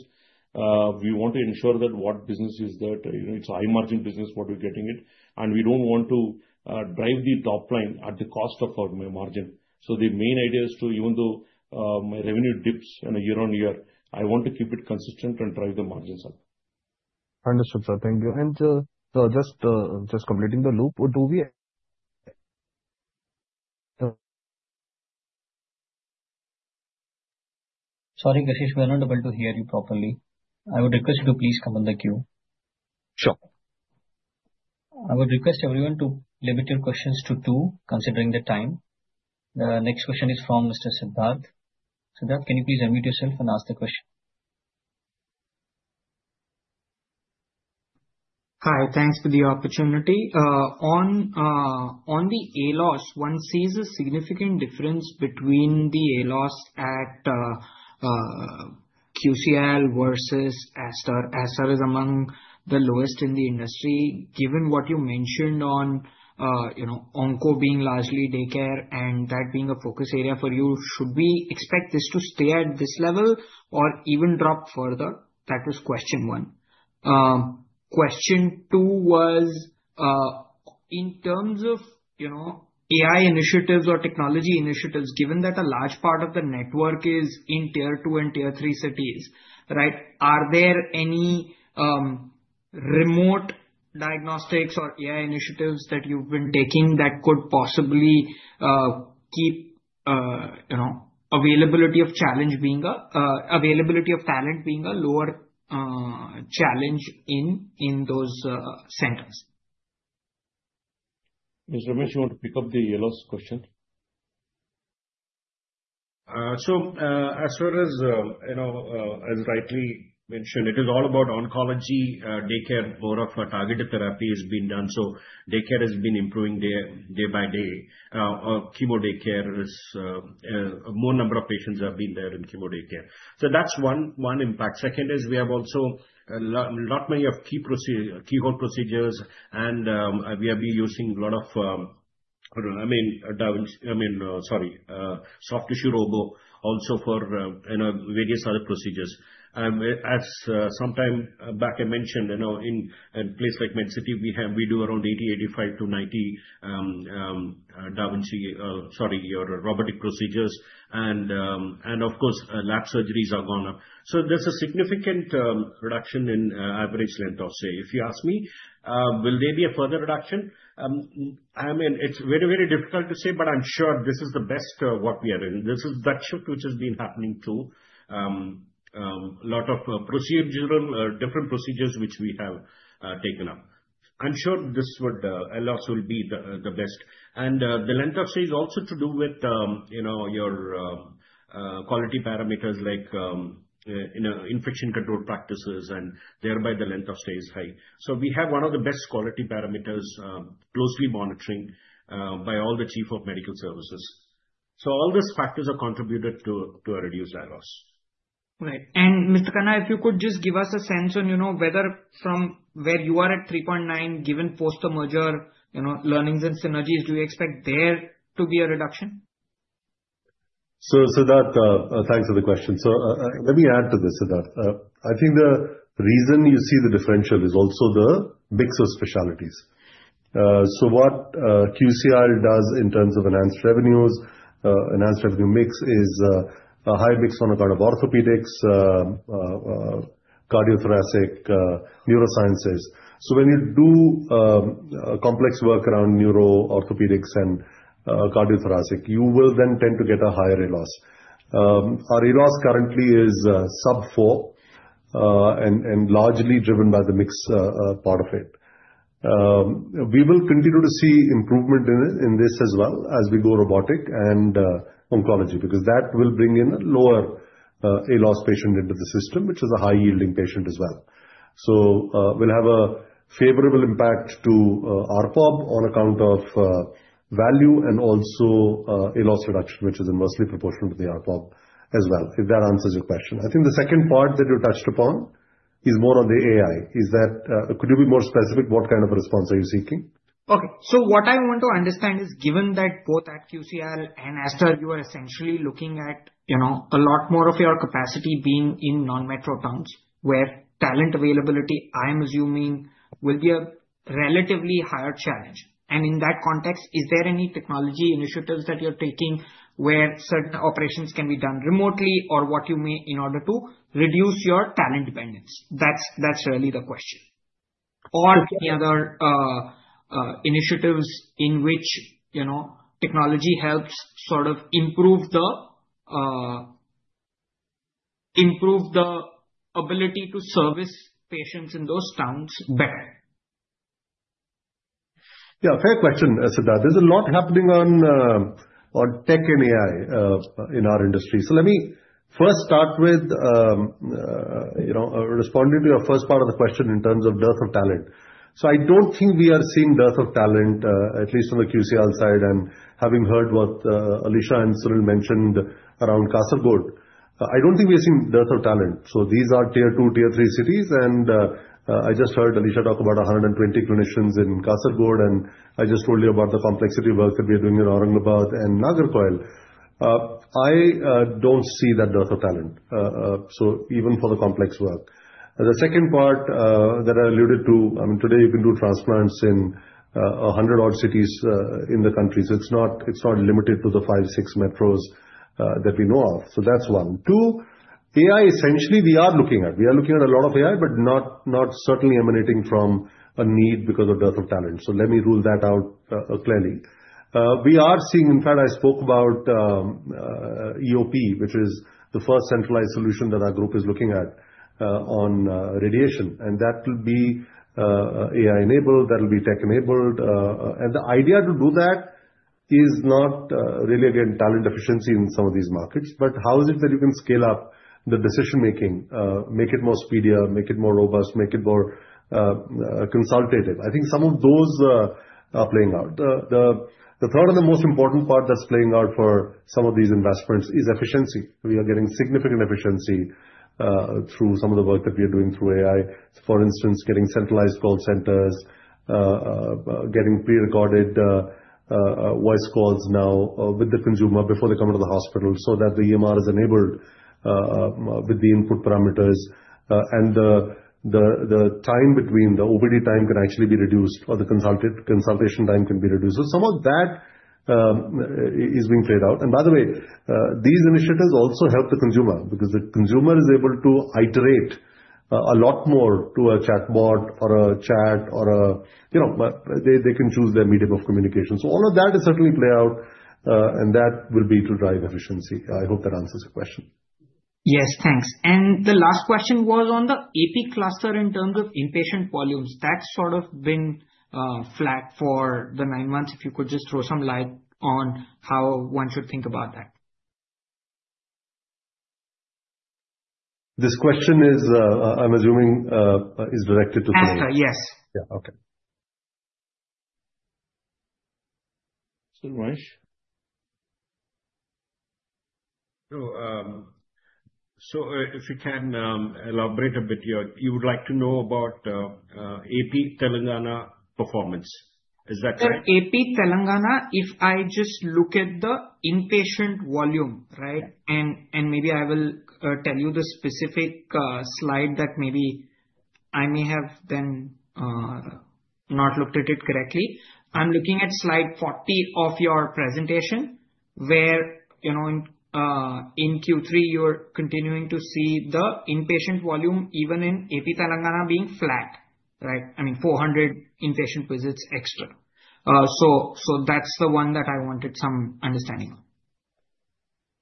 We want to ensure that what business is there, you know, it's high margin business, what we're getting it, and we don't want to drive the top line at the cost of our margin. So the main idea is to, even though, my revenue dips on a year-on-year, I want to keep it consistent and drive the margins up. Understood, sir. Thank you. And just completing the loop, would we Sorry, Kashish, we are not able to hear you properly. I would request you to please come on the queue. Sure. I would request everyone to limit your questions to two, considering the time. The next question is from Mr. Siddharth. Siddharth, can you please unmute yourself and ask the question? Hi, thanks for the opportunity. On the ALOS, one sees a significant difference between the ALOS at QCL versus Aster. Aster is among the lowest in the industry. Given what you mentioned on, you know, onco being largely daycare and that being a focus area for you, should we expect this to stay at this level or even drop further? That was question one. Question two was, in terms of, you know, AI initiatives or technology initiatives, given that a large part of the network is in Tier 2 and Tier 3 cities, right, are there any, remote diagnostics or AI initiatives that you've been taking that could possibly, you know, availability of challenge being a, availability of talent being a lower, challenge in those centers? Mr. Ramesh, you want to pick up the ALOS question? So, as far as, you know, as rightly mentioned, it is all about oncology, daycare. More of a targeted therapy is being done, so daycare has been improving day by day. Chemo daycare is, more number of patients have been there in chemo daycare. So that's one impact. Second is we have also a lot many of key chemo procedures, and, we have been using a lot of, I mean, sorry, soft tissue robo also for, you know, various other procedures. And as, sometime back, I mentioned, you know, in a place like Medcity, we have, we do around 80, 85-90 Da Vinci, sorry, our robotic procedures and, and of course, lap surgeries are gone up. So there's a significant reduction in average length of stay. If you ask me, will there be a further reduction? I mean, it's very, very difficult to say, but I'm sure this is the best what we are in. This is that shift which has been happening through lot of procedural different procedures which we have taken up. I'm sure this would ALOS will be the the best. And the length of stay is also to do with you know, your quality parameters like you know, infection control practices, and thereby the length of stay is high. So we have one of the best quality parameters closely monitoring by all the chief of medical services. So all these factors have contributed to a reduced ALOS. Right. Mr. Khanna, if you could just give us a sense on, you know, whether from where you are at 3.9, given post the merger, you know, learnings and synergies, do you expect there to be a reduction? So, Siddharth, thanks for the question. So, let me add to this, Siddharth. I think the reason you see the differential is also the mix of specialties. So what QCL does in terms of enhanced revenues, enhanced revenue mix, is a high mix on account of orthopedics, cardiothoracic, neurosciences. So when you do complex work around neuro, orthopedics and cardiothoracic, you will then tend to get a higher ALOS. Our ALOS currently is sub-4, and largely driven by the mix, part of it. We will continue to see improvement in this, in this as well as we go robotic and oncology, because that will bring in a lower ALOS patient into the system, which is a high-yielding patient as well. We'll have a favorable impact to ARPOP on account of value and also ALOS reduction, which is inversely proportional to the ARPOP as well, if that answers your question. I think the second part that you touched upon is more on the AI. Is that? Could you be more specific? What kind of response are you seeking? Okay. So what I want to understand is, given that both at QCL and Aster, you are essentially looking at, you know, a lot more of your capacity being in non-metro towns, where talent availability, I'm assuming, will be a relatively higher challenge. And in that context, is there any technology initiatives that you're taking where certain operations can be done remotely, or what you may, in order to reduce your talent dependence? That's, that's really the question. Or any other, initiatives in which, you know, technology helps sort of improve the, improve the ability to service patients in those towns better. Yeah, fair question, Siddharth. There's a lot happening on tech and AI in our industry. So let me first start with you know, responding to your first part of the question in terms of depth of talent. So I don't think we are seeing depth of talent at least from the QCL side, and having heard what Alisha and Sunil mentioned around Kasaragod. I don't think we are seeing depth of talent. So these are Tier 2, Tier 3 cities, and I just heard Alisha talk about 120 clinicians in Kasaragod, and I just told you about the complexity of work that we are doing in Aurangabad and Nagarcoil. I don't see that depth of talent so even for the complex work. The second part, that I alluded to, I mean, today you can do transplants in, 100 odd cities, in the country. So it's not, it's not limited to the five, six metros, that we know of. So that's one. Two, AI, essentially, we are looking at. We are looking at a lot of AI, but not, not certainly emanating from a need because of depth of talent, so let me rule that out, clearly. We are seeing... In fact, I spoke about, EOP, which is the first centralized solution that our group is looking at, on, radiation. And that will be, AI-enabled, that will be tech-enabled. And the idea to do that is not really, again, talent efficiency in some of these markets, but how is it that you can scale up the decision-making, make it more speedier, make it more robust, make it more consultative? I think some of those are playing out. Probably the most important part that's playing out for some of these investments is efficiency. We are getting significant efficiency through some of the work that we are doing through AI. For instance, getting centralized call centers, getting pre-recorded voice calls now with the consumer before they come into the hospital, so that the EMR is enabled with the input parameters. And the time between, the OBD time can actually be reduced, or the consultation time can be reduced. So some of that is being played out. And by the way, these initiatives also help the consumer, because the consumer is able to iterate a lot more to a chatbot or a chat, or a, you know, they, they can choose their medium of communication. So all of that is certainly play out, and that will be to drive efficiency. I hope that answers the question. Yes, thanks. The last question was on the AP cluster in terms of inpatient volumes. That's sort of been flat for the nine months. If you could just throw some light on how one should think about that. This question is, I'm assuming, is directed to Sunil? Asta, yes. Yeah, okay. Sunil Vaish? So, if you can elaborate a bit here, you would like to know about AP Telangana performance. Is that correct? AP Telangana, if I just look at the inpatient volume, right? And, and maybe I will tell you the specific slide that maybe I may have then not looked at it correctly. I'm looking at slide 40 of your presentation, where, you know, in Q3, you're continuing to see the inpatient volume, even in AP Telangana being flat, right? I mean, 400 inpatient visits extra. So, so that's the one that I wanted some understanding of.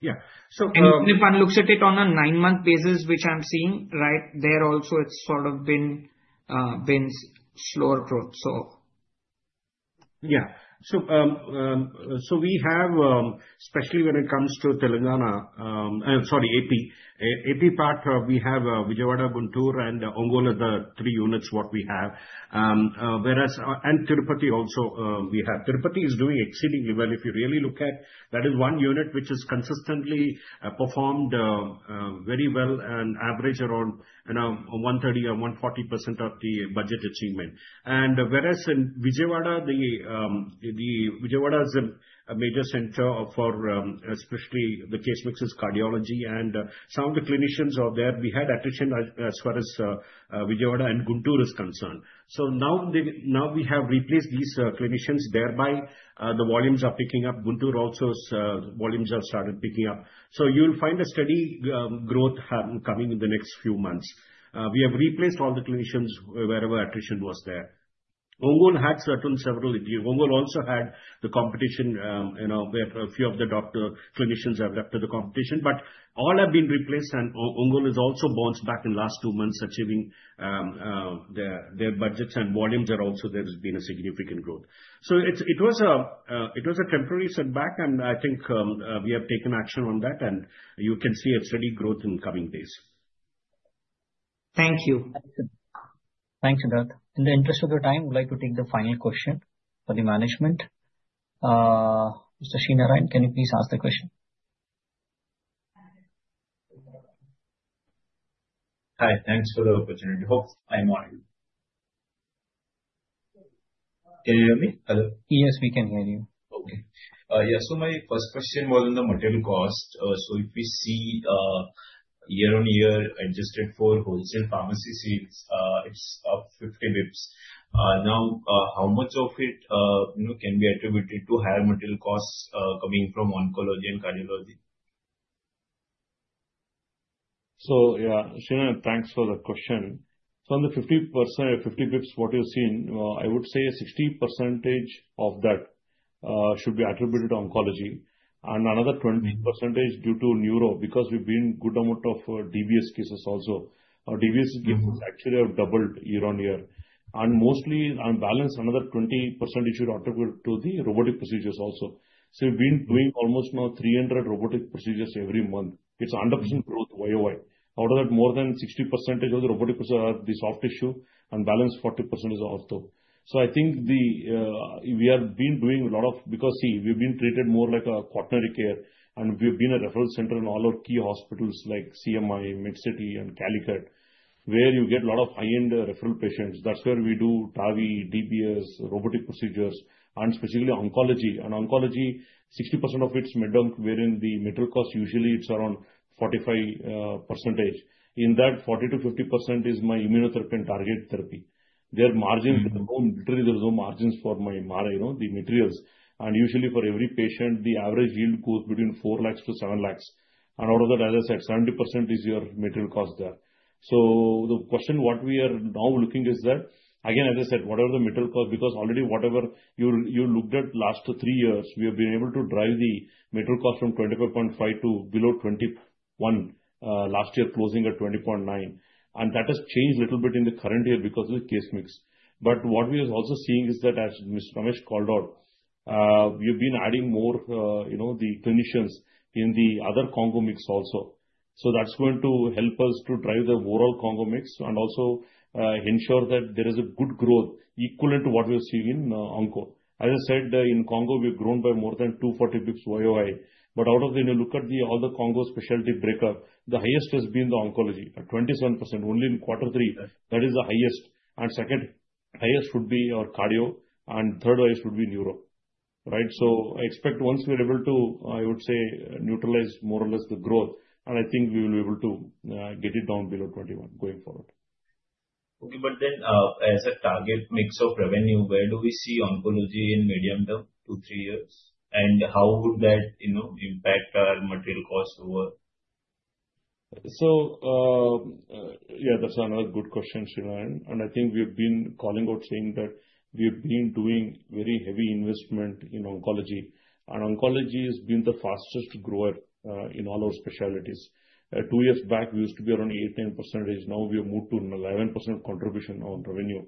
Yeah. So, If one looks at it on a nine-month basis, which I'm seeing, right, there also, it's sort of been slower growth, so. Yeah. So, we have, especially when it comes to Telangana, sorry, AP. AP part, we have Vijayawada, Guntur, and Ongole, are the three units what we have. Whereas, and Tirupati also, we have. Tirupati is doing exceedingly well. If you really look at, that is one unit which has consistently performed very well, and average around, you know, 130% or 140% of the budget achievement. And whereas in Vijayawada, the Vijayawada is a major center for, especially the case mix is cardiology and, some of the clinicians are there. We had attrition as far as Vijayawada and Guntur is concerned. So now, now we have replaced these clinicians, thereby the volumes are picking up. Guntur also has volumes have started picking up. So you'll find a steady growth happening coming in the next few months. We have replaced all the clinicians wherever attrition was there. Ongole had certain several issues. Ongole also had the competition, you know, where a few of the doctor clinicians have left for the competition. But all have been replaced, and Ongole has also bounced back in last two months, achieving their budgets, and volumes are also there's been a significant growth. So it was a temporary setback, and I think we have taken action on that, and you can see a steady growth in coming days. Thank you. Thanks, Siddharth. In the interest of the time, I would like to take the final question for the management. Mr. Narain, can you please ask the question?... Hi, thanks for the opportunity. Hope I'm on. Can you hear me? Hello. Yes, we can hear you. Okay. Yeah, so my first question was on the material cost. So if we see, year-on-year adjusted for wholesale pharmacy sales, it's up 50 basis points. Now, how much of it, you know, can be attributed to higher material costs coming from oncology and cardiology? So yeah, Shyam, thanks for the question. So on the 50%, 50 basis points, what you're seeing, I would say a 60% of that should be attributed to oncology, and another 20%- due to neuro, because we've been good amount of DBS cases also. Our DBS cases- Actually have doubled year-on-year. And mostly, on balance, another 20% you should attribute to the robotic procedures also. So we've been doing almost now 300 robotic procedures every month. It's 100% growth YoY. Out of that, more than 60% of the robotic procedures, the soft tissue, and balance 40% is ortho. So I think the, we have been doing a lot of— Because, see, we've been treated more like a Congo T care, and we've been a referral center in all our key hospitals like CMI, Medcity and Calicut, where you get a lot of high-end referral patients. That's where we do TAVI, DBS, robotic procedures, and specifically oncology. And oncology, 60% of it's MedOnc, wherein the material cost usually it's around 45%, percentage. In that, 40%-50% is my immunotherapy and targeted therapy. Their margins- There's no, literally there's no margins for my margin, you know, the materials. And usually for every patient, the average yield goes between 4 lakh-7 lakh. And out of that, as I said, 70% is your material cost there. So the question what we are now looking is that, again, as I said, what are the material cost? Because already whatever you looked at last three years, we have been able to drive the material cost from 24.5% to below 21%, last year closing at 20.9%. And that has changed little bit in the current year because of the case mix. But what we are also seeing is that, as Ramesh called out, we've been adding more, you know, the clinicians in the other congo mix also. So that's going to help us to drive the overall Congo mix and also, ensure that there is a good growth equivalent to what we're seeing in, onco. As I said, in Congo, we've grown by more than 240 basis points YoY. But out of that, when you look at the other Congo specialty breakup, the highest has been the oncology, at 27%. Only in quarter three, that is the highest. And second highest would be our cardio, and third highest would be neuro, right? So I expect once we are able to, I would say, neutralize more or less the growth, and I think we will be able to, get it down below 21 going forward. Okay, but then, as a target mix of revenue, where do we see oncology in medium term, two, three years? And how would that, you know, impact our material costs over? That's another good question, Shinan. I think we've been calling out, saying that we've been doing very heavy investment in oncology. Oncology has been the fastest grower in all our specialties. Two years back, we used to be around 8-10%. Now we have moved to an 11% contribution on revenue.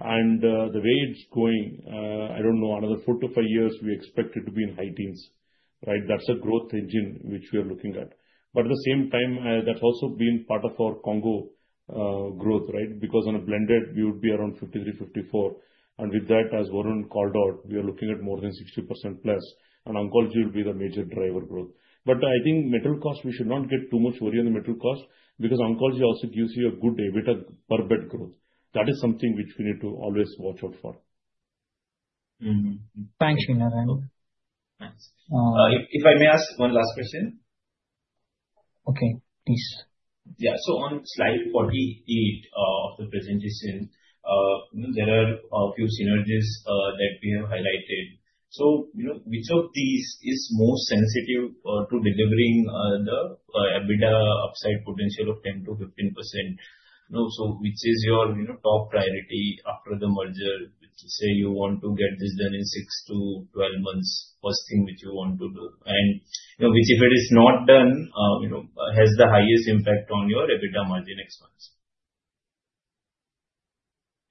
And, the way it's going, I don't know, another four to five years, we expect it to be in high teens, right? That's the growth engine which we are looking at. But at the same time, that's also been part of our Congo T growth, right? Because on a blended, we would be around 53, 54. And with that, as Varun called out, we are looking at more than 60% plus, and oncology will be the major driver growth. But I think material cost, we should not get too much worry on the material cost, because oncology also gives you a good EBITDA per bed growth. That is something which we need to always watch out for. Thanks, Shinan. Thanks. Uh- If I may ask one last question? Okay, please. Yeah. So on slide 48 of the presentation, you know, there are a few synergies that we have highlighted. So, you know, which of these is more sensitive to delivering the EBITDA upside potential of 10%-15%? You know, so which is your, you know, top priority after the merger? Say you want to get this done in 6-12 months, first thing which you want to do. And, you know, which if it is not done, you know, has the highest impact on your EBITDA margin excellence.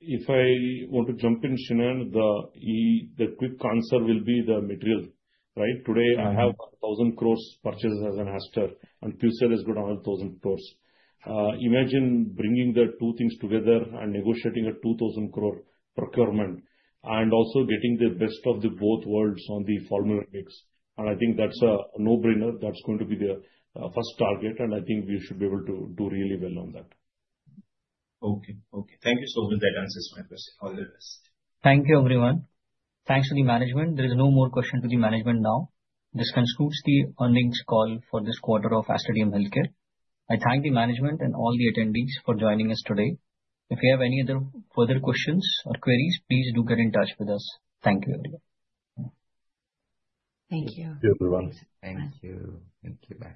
If I want to jump in, Shinan, the quick answer will be the material, right? Today, I have 1,000 crore purchases at Aster, and Quality Care's got another 1,000 crore. Imagine bringing the two things together and negotiating an 2,000 crore procurement, and also getting the best of both worlds on the formula mix, and I think that's a no-brainer. That's going to be the first target, and I think we should be able to do really well on that. Okay. Okay, thank you. So that answers my question. All the best. Thank you, everyone. Thanks to the management. There is no more question to the management now. This concludes the earnings call for this quarter of Aster DM Healthcare. I thank the management and all the attendees for joining us today. If you have any other further questions or queries, please do get in touch with us. Thank you, everyone. Thank you. Thank you, everyone. Thank you. Thank you. Bye.